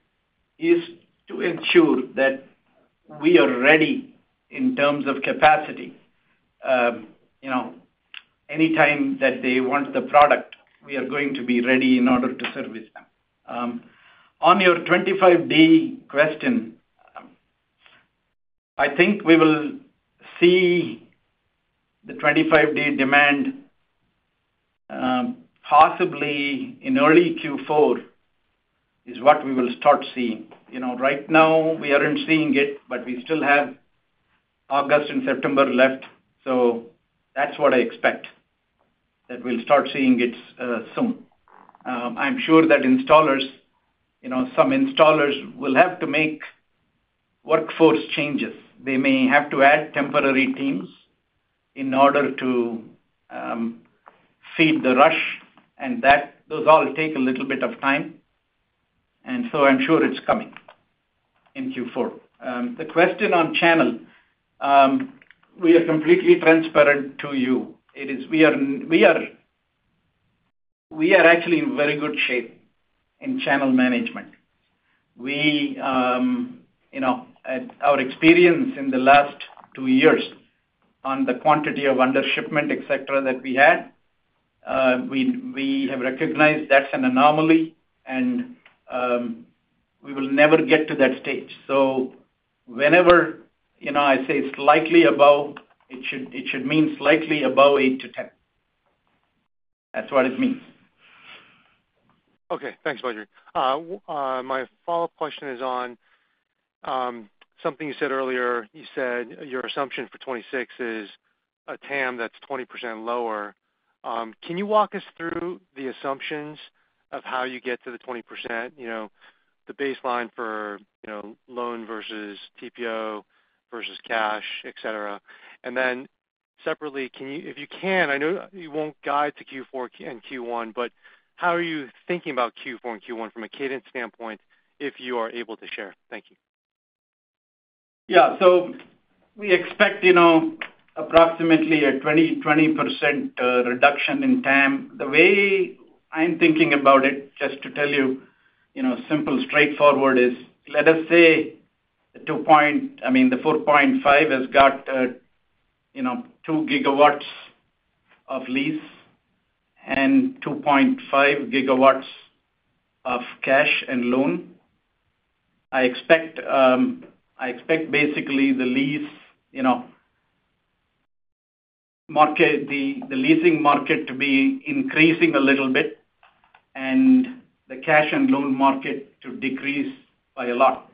is to ensure that we are ready in terms of capacity. Anytime that they want the product, we are going to be ready in order to service them. On your 25D question, I think we will see the 25D demand possibly in early Q4. That is what we will start seeing. Right now, we aren't seeing it, but we still have August and September left. That is what I expect, that we will start seeing it soon. I'm sure that installers, some installers, will have to make workforce changes. They may have to add temporary teams in order to feed the rush and those all take a little bit of time. I'm sure it's coming in Q4. The question on channel, we are completely transparent to you. We are actually in very good shape in channel management. Our experience in the last two years on the quantity of under-shipment, etc., that we had, we have recognized that's an anomaly and we will never get to that stage. Whenever I say slightly above, it should mean slightly above 8-10. That's what it means. Okay, thanks, Badri. My follow up question is on something you said earlier. You said your assumption for 2026 is a TAM that's 20% lower. Can you walk us through the assumptions. Of how you get to the 20%. The baseline for loan versus TPO versus cash, et cetera, and then separately if you can. I know you won't guide to Q4 and Q1, but how are you thinking about Q4 and Q1 from a cadence standpoint if you are able to share? Thank you. Yeah, we expect approximately a 20% reduction in TAM. The way I'm thinking about it, just to tell you, simple, straightforward is let. Us say. The 4.5 has got 2 GW of lease and 2.5 GW of cash and loan. I expect basically the leasing market to be increasing a little bit and the cash and loan market to decrease by a lot.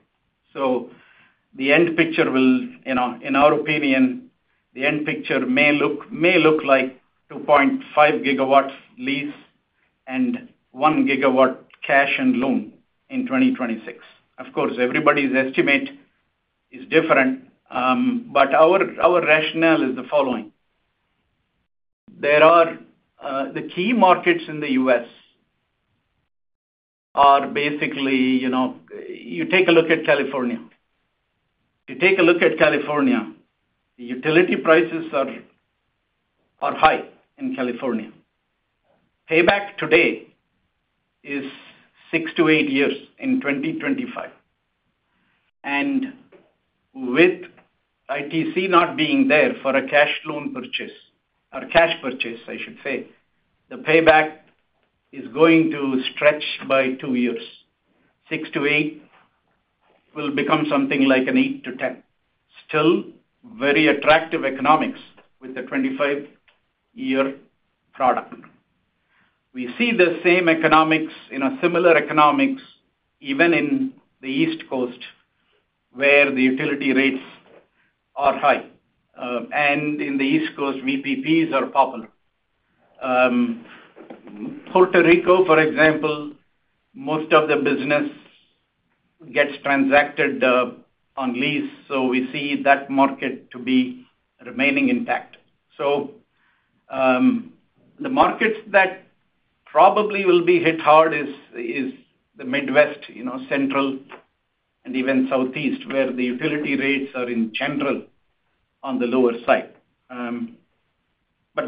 The end picture will, in our opinion, the end picture may look like 2.5 GW lease and 1 GW cash and loan in 2026. Of course, everybody's estimate is different. Our rationale is the following. The key markets in the U.S. are basically, you take a look at California. You take a look at California. The utility prices are high in California. Payback today is six-eight years in 2025, and with ITC not being there for a cash loan purchase or cash purchase, I should say the payback is going to stretch by 2 years. 6-8 will become something like an 8-10. Still very attractive economics. With the 25 year product we see the same economics, similar economics even in the East Coast where the utility rates are high. In the East Coast, VPPs are popular. Puerto Rico, for example, most of the business gets transacted on lease. We see that market to be remaining intact. The markets that probably will be hit hard are the Midwest, Central, and even Southeast where the utility rates are in general on the lower side.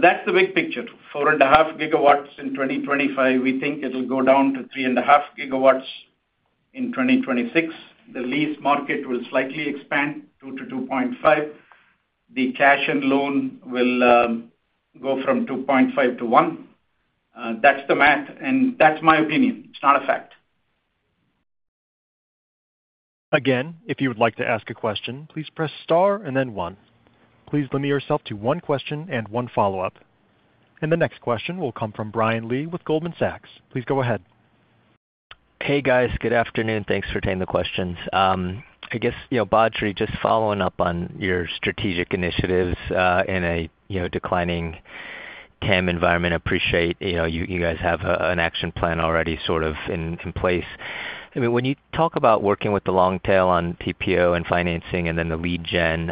That's the big picture. Four and a half GW in 2025, we think it will go down to 3.5 GW in 2026. The lease market will slightly expand 2-2.5. The cash and loan will go from 2.5-1. That's the math and that's my opinion. It's not a fact. Again, if you would like to ask a question, please press star and then one. Please limit yourself to one question and one follow-up, and the next question will come from Brian Lee with Goldman Sachs. Please go ahead. Hey guys, good afternoon. Thanks for taking the questions. I guess, Badri, just following up on your strategic initiatives in a declining TAM environment. I appreciate you guys have an action plan already sort of in place. When you talk about working with the long tail on TPO and financing and then the lead gen,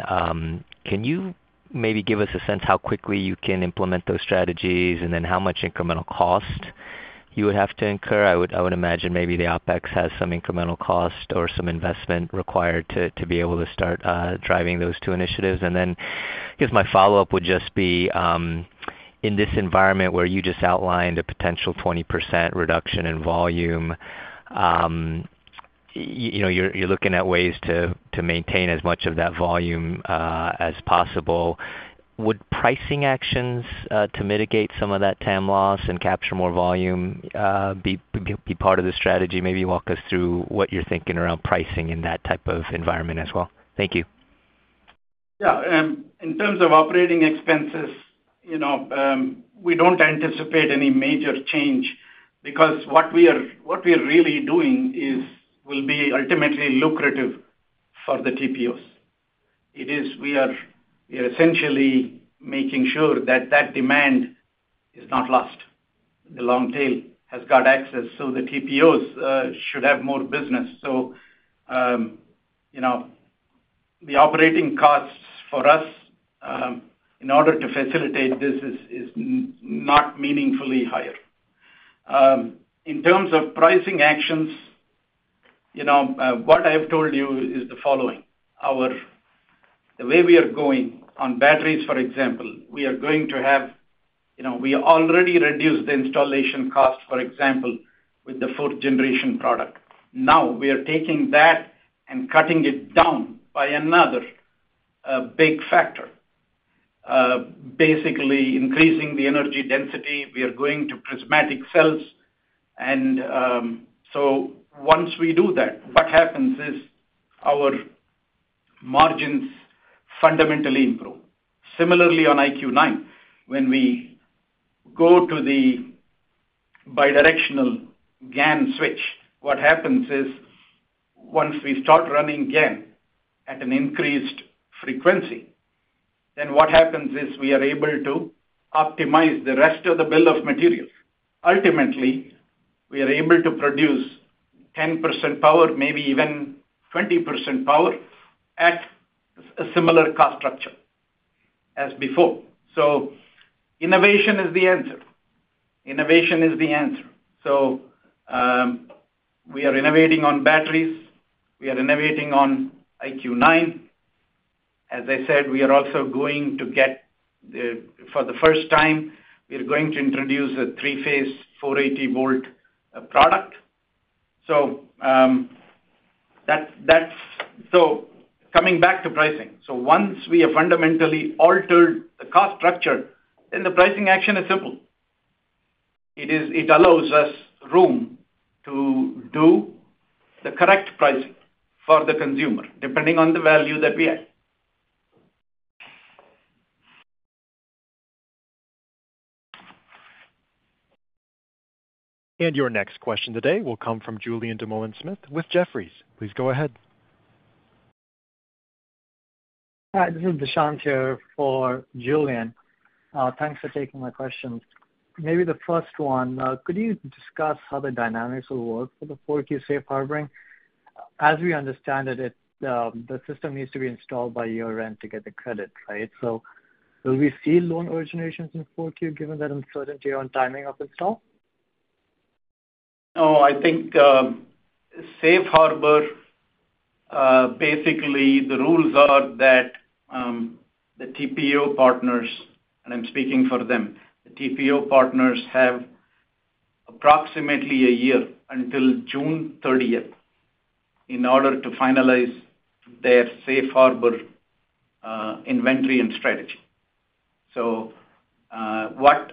can you maybe give us a sense how quickly you can implement those strategies and then how much incremental cost you would have to incur? I would imagine maybe the OpEx has some incremental cost or some investment required to be able to start driving those two initiatives. My follow-up would just be in this environment where you just outlined a potential 20% reduction in volume, you're looking at ways to maintain as much of that volume as possible. Would pricing actions to mitigate some of that TAM loss and capture more volume be part of the strategy? Maybe walk us through what you're thinking around pricing in that type of environment as well. Thank you. Yeah. In terms of operating expenses, we don't anticipate any major change because what we are really doing will be ultimately lucrative for the TPOs. It is. We are essentially making sure that that demand is not lost. The long tail has got access, so the TPOs should have more business. You know, the operating costs for us in order to facilitate this is not meaningfully higher. In terms of pricing actions, you know what I have told you is the following. The way we are going on batteries, for example, we are going to have, we already reduced the installation cost, for example with the 4th-generation product. Now we are taking that and cutting it down by another big factor, basically increasing the energy density. We are going to prismatic cells. Once we do that, what happens is our margins fundamentally improve. Similarly, on IQ9, when we go to the bi-directional GaN switch, what happens is once we start running GaN at an increased frequency, then what happens is we are able to optimize the rest of the bill of materials. Ultimately, we are able to produce 10% power, maybe even 20% power at a similar cost structure as before. Innovation is the answer. Innovation is the answer. We are innovating on batteries. We are innovating on IQ9. As I said, we are also going to get, for the first time, we are going to introduce a three-phase 480 volt product. So. That's so coming back to pricing. Once we have fundamentally altered the cost structure, the pricing action is simple. It allows us room to do the correct pricing for the consumer depending on the value that we add. Your next question today will come from Julien Dumoulin-Smith with Jefferies. Please go ahead. Hi, this is Dushyant here for Julien. Thanks for taking my questions. Maybe the first one, could you discuss how the dynamics will work for the 4Q safe harboring? As we understand it, the system needs to be installed by year end too. Get the credit right. Will we see loan originations in 4Q given that uncertainty on timing of install? No, I think safe harbor. Basically, the rules are that the TPO partners, and I'm speaking for them, the TPO partners have approximately a year until June 30th, 2025, in order to finalize their safe harbor inventory and strategy.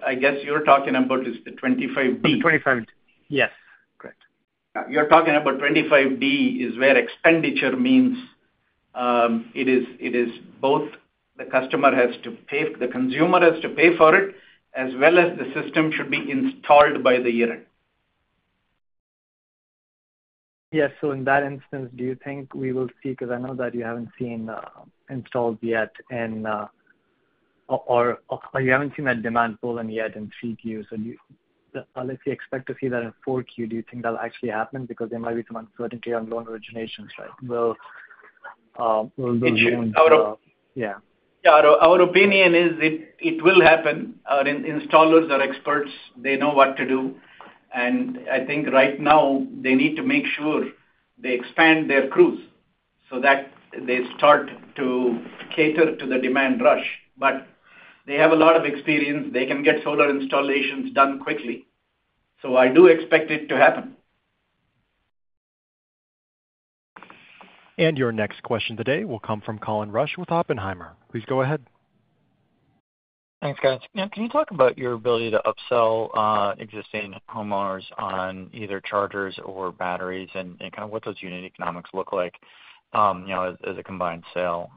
I guess you're talking about the 25D. The 25D? Yes. Correct. You're talking about 25D is where expenditure means it is both the customer has to pay, the consumer has to pay for it, as the system should be installed by the year end. Yes. In that instance, do you think we will see, because I know that you haven't seen installs yet. Or you. Haven't seen that demand pull in yet in 3Q, so unless you expect to see that in 4Q, do you think that will actually happen? There might be some uncertainty on loan originations. Right. Our opinion is it will happen. Our installers are experts, they know what to do. I think right now they need to make sure they expand their crews so that they start to cater to the demand rush. They have a lot of experience, and they can get solar installations done quickly. I do expect it to happen. Your next question of the day will come from Colin Rusch with Oppenheimer. Please go ahead. Thanks guys. Can you talk about your ability to upsell existing homeowners on either chargers or batteries, and what those unit economics look like as a combined sale,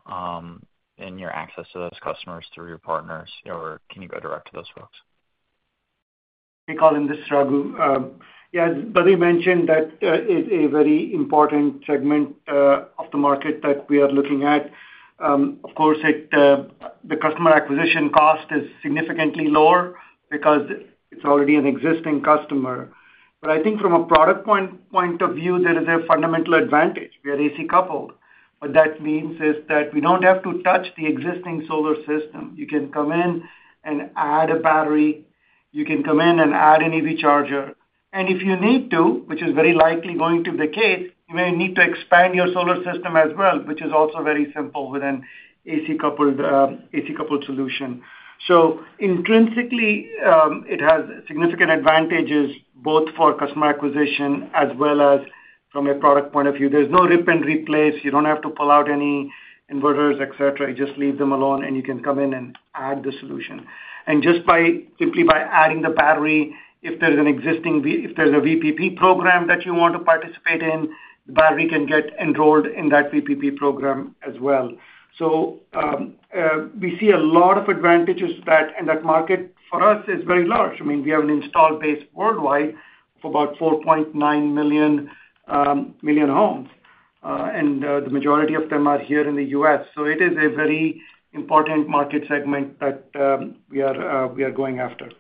and your access to those customers through your partners? Can you go direct to those folks? Hey Colin, this is Raghu. Yeah, as Badri mentioned, that is a very important segment of the market that we are looking at. Of course, the customer acquisition cost is significantly lower because it's already an existing customer. I think from a product point of view there is a fundamental advantage. We are AC coupled. What that means is that we don't have to touch the existing solar system. You can come in and add a battery, you can come in and add an EV charger, and if you need to, which is very likely going to be the case, you may need to expand your solar system as well, which is also very simple with an AC coupled solution. Intrinsically, it has significant advantages both for customer acquisition as well as from a product point of view. There's no rip and replace, you don't have to pull out any inverters, etc. You just leave them alone and you can come in and add the solution. Just by simply adding the battery, if there's an existing, if there's a VPP program that you want to participate in, the battery can get enrolled in that VPP program as well. We see a lot of advantages. That market for us is very large. We have an installed base worldwide for about 4.9 million homes and the majority of them are here in the U.S. It is a very important market segment that we are going after.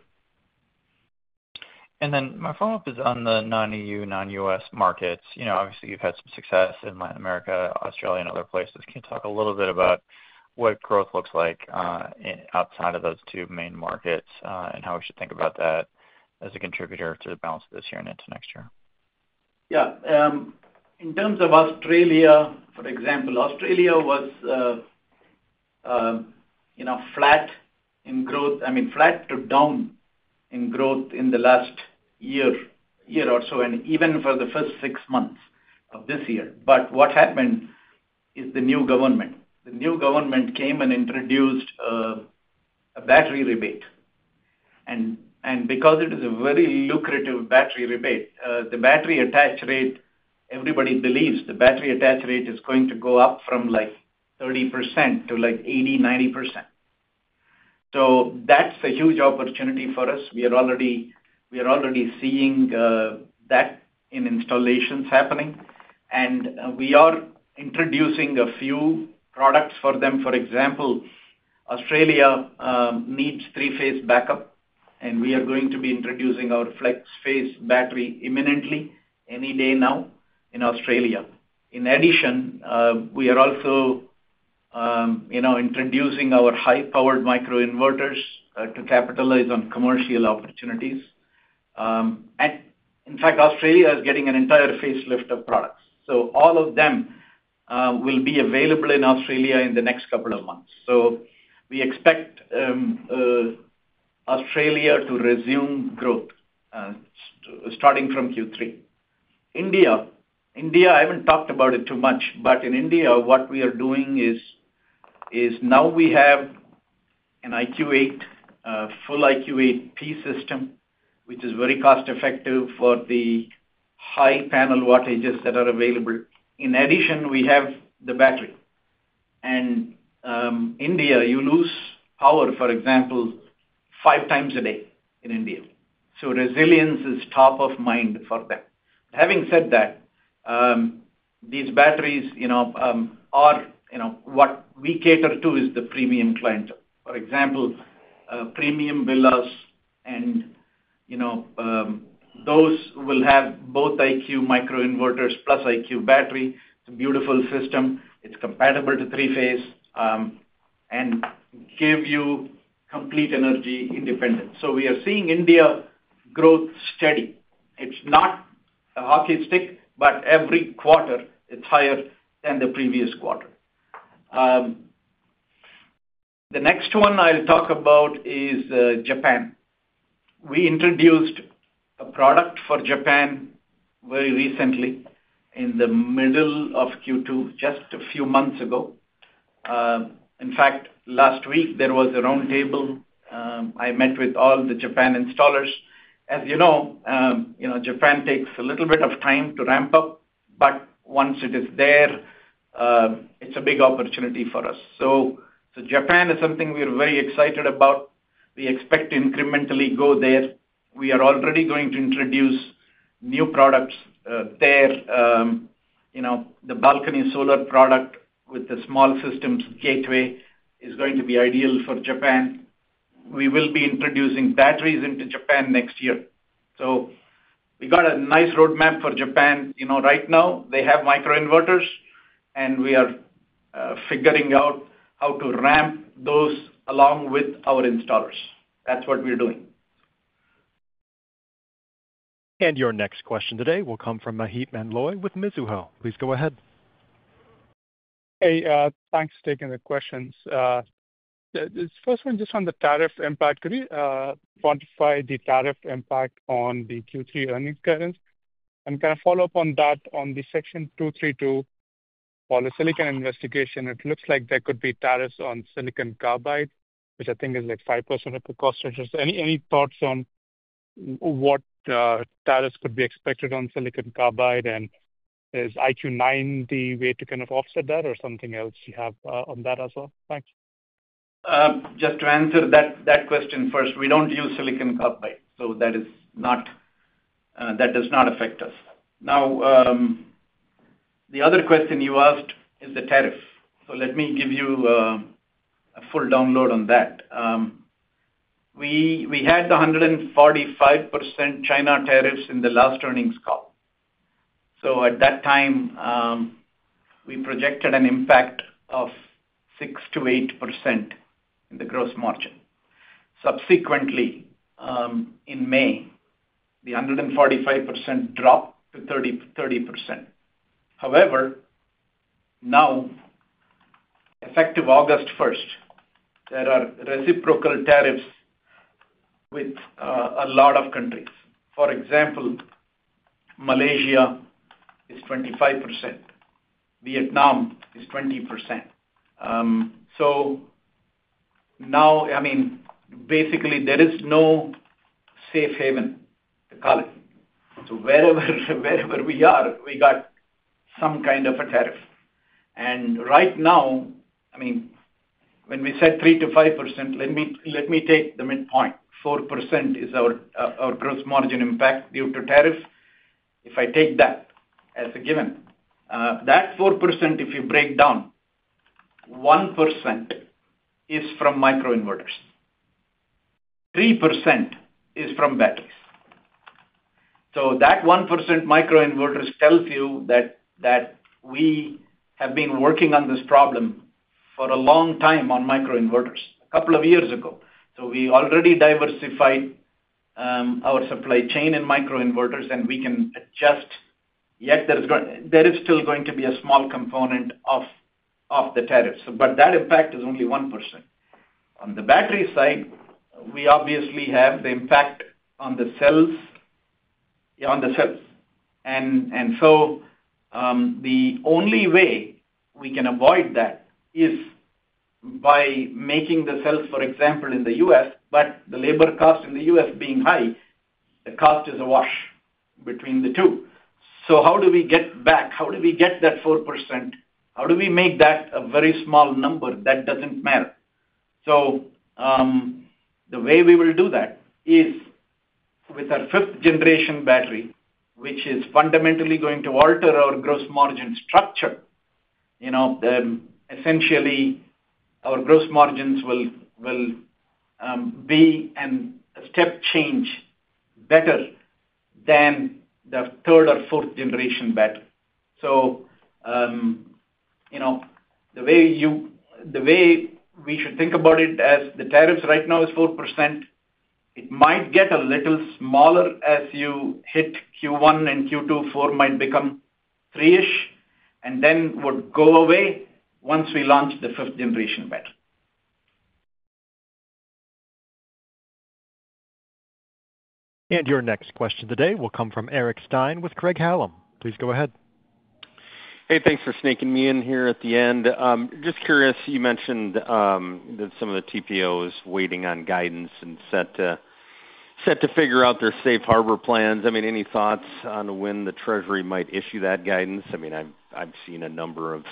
My follow up is on the non-EU, non-U.S. markets. Obviously you've had some success in Latin America, Australia, and other places. Can you talk a little bit about what growth looks like outside of those two main markets and how we should think about that as a contributor to the balance of this year and into next year? In terms of Australia, for example, Australia. Was. Flat in growth, I mean flat to down in growth in the last year or so and even for the first six months of this year. What happened is the new government came and introduced a battery rebate. Because it is a very lucrative battery rebate, the battery attach rate, everybody believes the battery attach rate is going to go up from like 30% to like 80% or 90%. That's a huge opportunity for us. We are already seeing that in installations happening and we are introducing a few products for them. For example, Australia needs three-phase backup and we are going to be introducing our FlexPhase battery imminently, any day now in Australia. In addition, we are also introducing our high powered microinverters to capitalize on commercial opportunities. In fact, Australia is getting an entire facelift of products. All of them will be available in Australia in the next couple of months. We expect Australia to resume growth starting from Q3. India. I haven't talked about it too much but in India what we are doing is now we have an IQ8 full IQ8P system which is very cost effective for the high panel wattages that are available. In addition, we have the battery and in India you lose power, for example, five times a day in India. Resilience is top of mind for them. Having said that, these batteries are what we cater to is the premium clientele, for example, premium villas. Those will have both IQ microinverters plus IQ Battery, beautiful system. It's compatible to three-phase and gives you complete energy independence. We are seeing India growth steady. It's not a hockey stick but every quarter it's higher than the previous quarter. The next one I'll talk about is Japan. We introduced a product for Japan very recently in the middle of Q2, just a few months ago. In fact, last week there was a roundtable. I met with all the Japan installers. As you know, Japan takes a little bit of time to ramp up, but once it is there it's a big opportunity for us. Japan is something we are very excited about. We expect to incrementally go there. We are already going to introduce new products there. The Balcony Solar product with the small systems gateway is going to be ideal for Japan. We will be introducing batteries into Japan next year. We got a nice roadmap for Japan right now. They have microinverters and we are figuring out how to ramp those along with our installers. That's what we're doing. Your next question today will come from Maheep Mandloi with Mizuho. Please go ahead. Hey, thanks for taking the questions. First one, just on the tariff impact, could you quantify the tariff impact on the Q3 earnings guidance and can I follow up on that on the Section 232 for the silicon investigation. It looks like there could be tariffs on silicon carbide, which I think is like 5% of the cost structures. Any thoughts on what tariffs could be expected on silicon carbide? And is IQ9 the way to kind of offset that or something else you have on that as well? Thanks. Just to answer that question first, we don't use silicon carbide. That does not affect us. The other question you asked is the tariff. Let me give you a full download on that. We had the 145% China tariffs in the last earnings call. At that time we projected an impact of 6%-8% in the gross margin. Subsequently in May the 145% dropped to 30%. However, now effective August 1st, there are reciprocal tariffs with a lot of countries. For example, Malaysia is 25%, Vietnam is 20%. Basically there is no safe haven to call it. Wherever we are we got some kind of a tariff. Right now, when we said 3%-5%. Let me take the midpoint. 4% is our gross margin impact due to tariff. If I take that as a given, that 4% if you break down 1% is from microinverters, 3% is from batteries. That 1% microinverters tells you that we have been working on this problem for a long time on microinverters a couple of years ago. We already diversified our supply chain in microinverters and we can adjust. Yet there is still going to be a small component of the tariffs, but that impact is only 1%. On the battery side, we obviously have the impact on the cells. The only way we can avoid that is by making the cells. For example, in the U.S. but the labor cost in the U.S. being high, the cost is awash between the two. How do we get back? How do we get that 4%? How do we make that a very small number? That doesn't matter. The way we will do that is with our 5th-generation battery which is fundamentally going to alter our gross margin structure. Essentially our gross margins will be a step change better than the third or 4th-generation battery. The way we should think about it as the tariffs right now is 4%. It might get a little smaller as you hit Q1 and Q2. 4 might become 3ish and then would go away once we launch the 5th-generation battery. Your next question today will come from Eric Stine with Craig Hallum. Please go ahead. Hey, thanks for sneaking me in here at the end. Just curious. You mentioned that some of the TPO is waiting on guidance and set to figure out their safe harbor plans. Any thoughts on when the Treasury might issue that guidance? I've seen a number of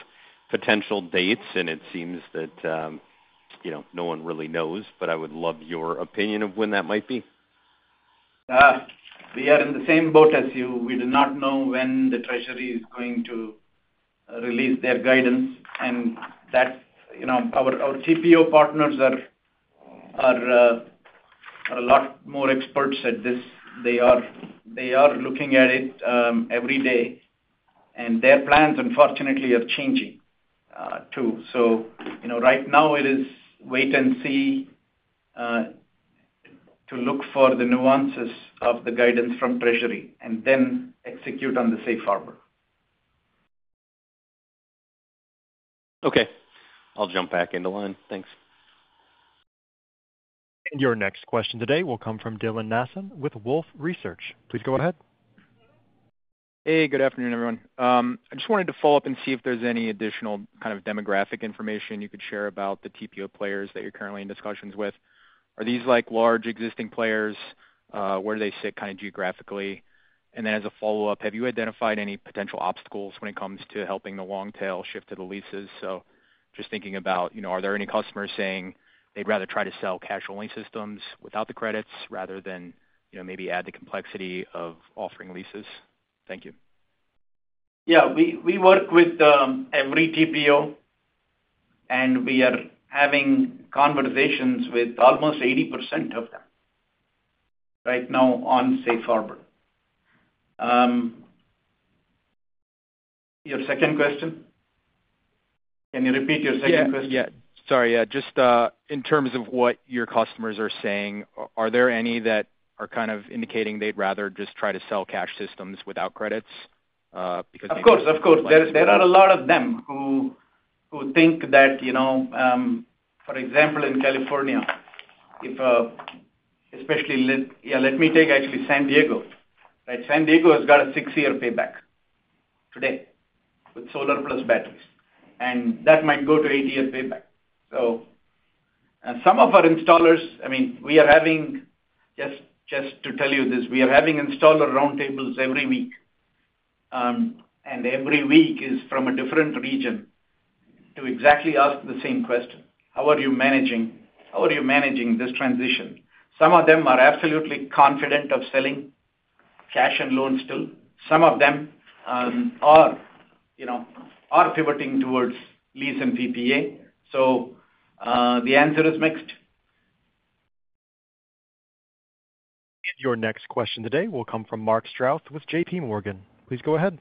potential dates and it seems that no one really knows. I would love your opinion of when that might be. We are in the same boat as you. We do not know when the Treasury is going to release their guidance, and our TPO partners are a lot more experts at this. They are looking at it every day, and their plans unfortunately are changing too. Right now it is wait and. See. To look for the nuances of the guidance from Treasury and then execute on the safe harbor. Okay, I'll jump back into line. Thanks. Your next question today will come from Dylan Nassano with Wolfe Research. Please go ahead. Hey, good afternoon, everyone. I just wanted to follow up. See if there's any additional kind of demographic information you could share about the TPO providers that you're currently in discussions with. Are these like large existing players? Where do they sit geographically? As a follow up, have you identified any potential obstacles when it comes to helping the long tail shift to the leases? Just thinking about whether there are any customers saying they'd rather try to sell cash only systems without the credits instead of maybe adding the complexity of offering leases. Thank you. Yeah, we work with every TPO and we are having conversations with almost 80% of them right now on safe harbor. Your second question, can you repeat your second question? Sorry. Just in terms of what your customers are saying, are there any that are kind of indicating they'd rather just try to sell cash systems without credits? Of course. Of course, there are a lot of them who think that, you know, for example, in California especially, let me take actually San Diego. San Diego has got a six year payback today with solar plus batteries, and that might go to eight year payback. Some of our installers, I mean, we are having installer roundtables every week, and every week is from a different region to exactly ask the same question. How are you managing this transition? Some of them are absolutely confident of selling cash and loans still, some of them are pivoting towards lease and PPA. The answer is mixed. Your next question today will come from Mark Strouse with JPMorgan. Please go ahead.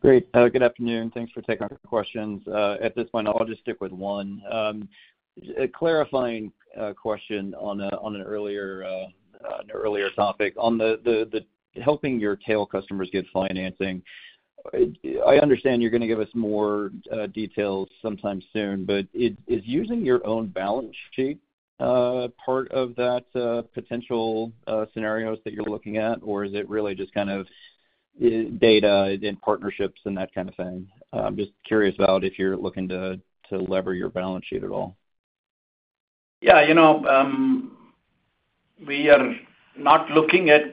Great. Good afternoon. Thanks for taking questions. At this point, I'll just stick with one. A clarifying question on an earlier topic on helping your tail customers get financing. I understand you're going to give us more details sometime soon, but is using your own balance sheet part of that potential scenarios that you're looking at, or is it really just kind of data and partnerships and that kind of thing? Just curious about if you're looking to lever your balance sheet at all. Yeah, you know, we are not looking. At.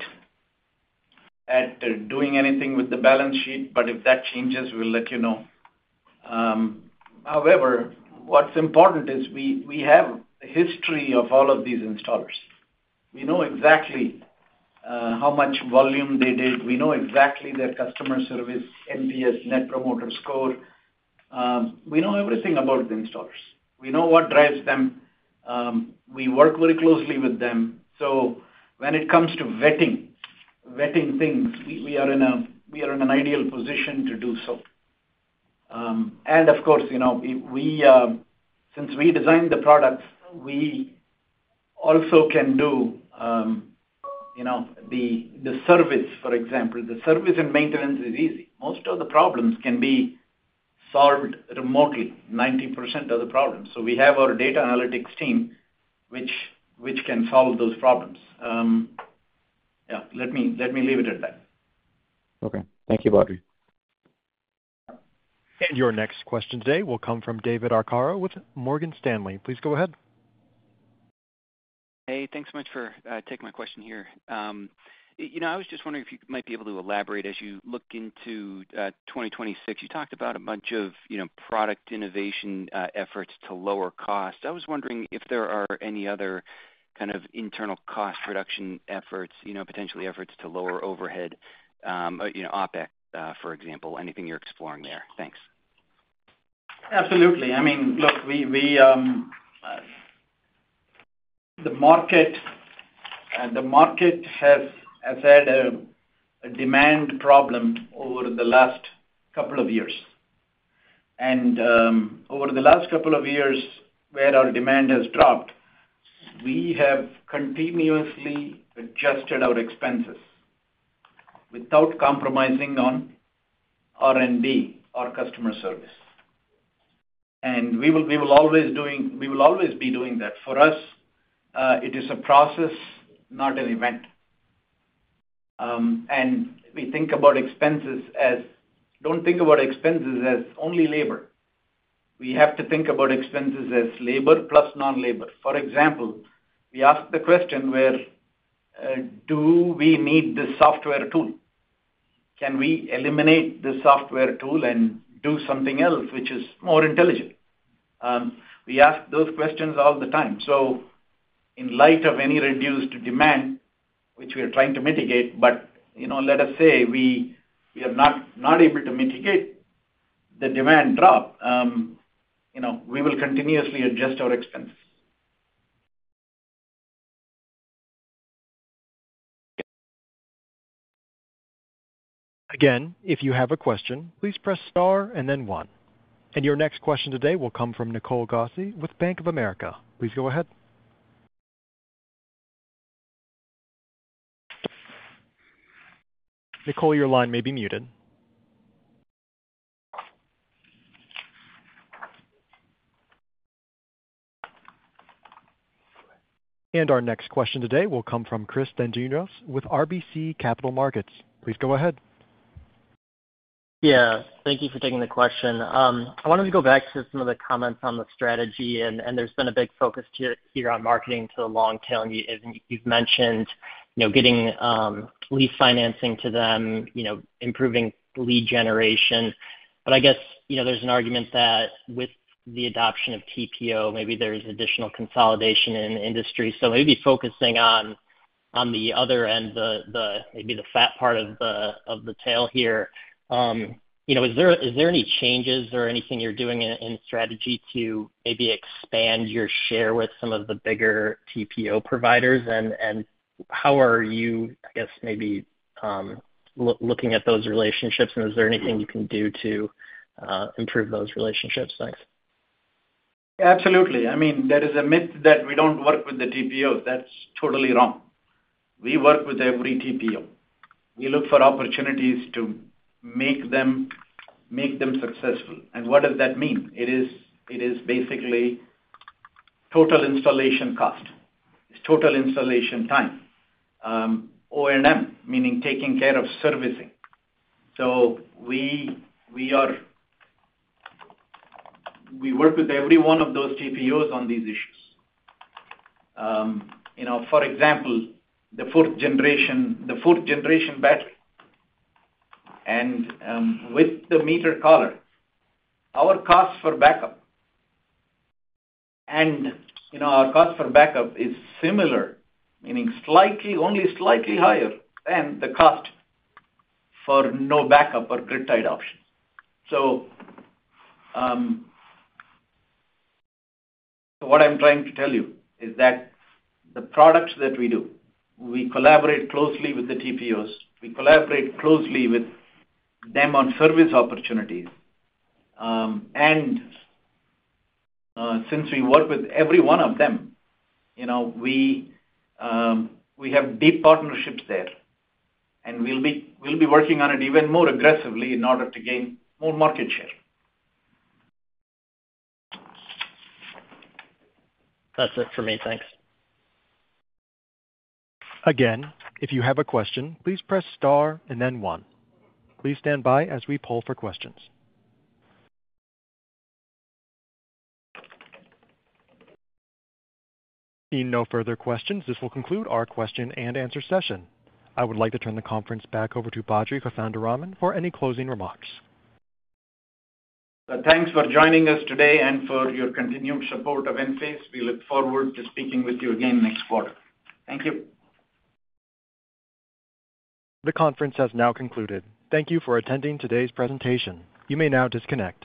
Doing anything with the balance sheet, but if that changes, we'll let you know. However, what's important is we have a history of all of these installers. We know exactly how much volume they did. We know exactly their customer service, NPS, Net Promoter Score. We know everything about the installers. We know what drives them. We work very closely with them. When it comes to vetting things, we are in an ideal position to do so. Of course, since we designed the products, we also can do the service. For example, the service and maintenance is easy. Most of the problems can be solved remotely, 90% of the problems. We have our data analytics team which can solve those problems. Let me leave it at that. Okay, thank you. Your next question today will come from David Arcaro with Morgan Stanley. Please go ahead. Hey, thanks so much for taking my question here. I was just wondering if. You might be able to elaborate as you look into 2026. You talked about a bunch of, you know, product innovation efforts to lower cost. I was wondering if there are any other kind of internal cost reduction efforts, you know, potentially efforts to lower overhead, you know, OpEx, for example. Anything you're exploring there. Thanks. Absolutely. I mean, look, the market has had a demand problem over the last couple of years. Over the last couple of years where our demand has dropped, we have continuously adjusted our expenses without compromising on R&D or customer service. We will always be doing that. For us, it is a process, not an event. We think about expenses as not only labor. We have to think about expenses as labor plus non-labor. For example, we ask the question, do we need this software tool? Can we eliminate the software tool and do something else which is more intelligent? We ask those questions all the time. In light of any reduced demand, which we are trying to mitigate, if we are not able to mitigate the demand drop, we will continuously adjust our expenses. If you have a question, please press star and then one. Your next question today will come from Nicole Gosse with Bank of America. Please go ahead, Nicole. Your line may be muted. Your next question today will come from Chris Dendrinos with RBC Capital Markets. Please go ahead. Yeah, thank you for taking the question. I wanted to go back to some. Of the comments on the strategy, there's been a big focus here on marketing to the long tail. You've mentioned getting lease financing to them, improving lead generation. I guess, you know, there's an argument that with the adoption of TPO. Maybe there's additional consolidation in the industry. Maybe focusing on the other. End, maybe the fat part of. Of the tail here, you know. Is there any changes or anything you're doing in strategy to maybe expand your share with some of the bigger TPO providers, and how are you, I guess, maybe looking at those relationships, and is there anything you can do to improve those relationships? Thanks. Absolutely. I mean, there is a myth that we don't work with the TPOs. That's totally wrong. We work with every TPO. We look for opportunities to make them successful. What does that mean? It is basically total installation cost, total installation time, O&M, meaning taking care of servicing. So. We work with every one of those TPOs on these issues. For example, the 4th-generation battery and with the meter collar, our cost for backup is similar, meaning only slightly higher than the cost for no backup or grid tied options. What I'm trying to tell you is that the products that we do, we collaborate closely with the TPOs. We collaborate closely with them on service opportunities. And. Since we work with every one of them, we have deep partnerships there, and we'll be working on it even more aggressively in order to gain more market share. That's it for me. Thanks again. If you have a question, please press star and then one. Please stand by as we poll for questions. Seeing no further questions, this will conclude our question and answer session. I would like to turn the conference back over to Badri Kothandaraman for any closing remarks. Thanks for joining us today and for your continued support of Enphase Energy. We look forward to speaking with you again next quarter. Thank you. The conference has now concluded. Thank you for attending today's presentation. You may now disconnect.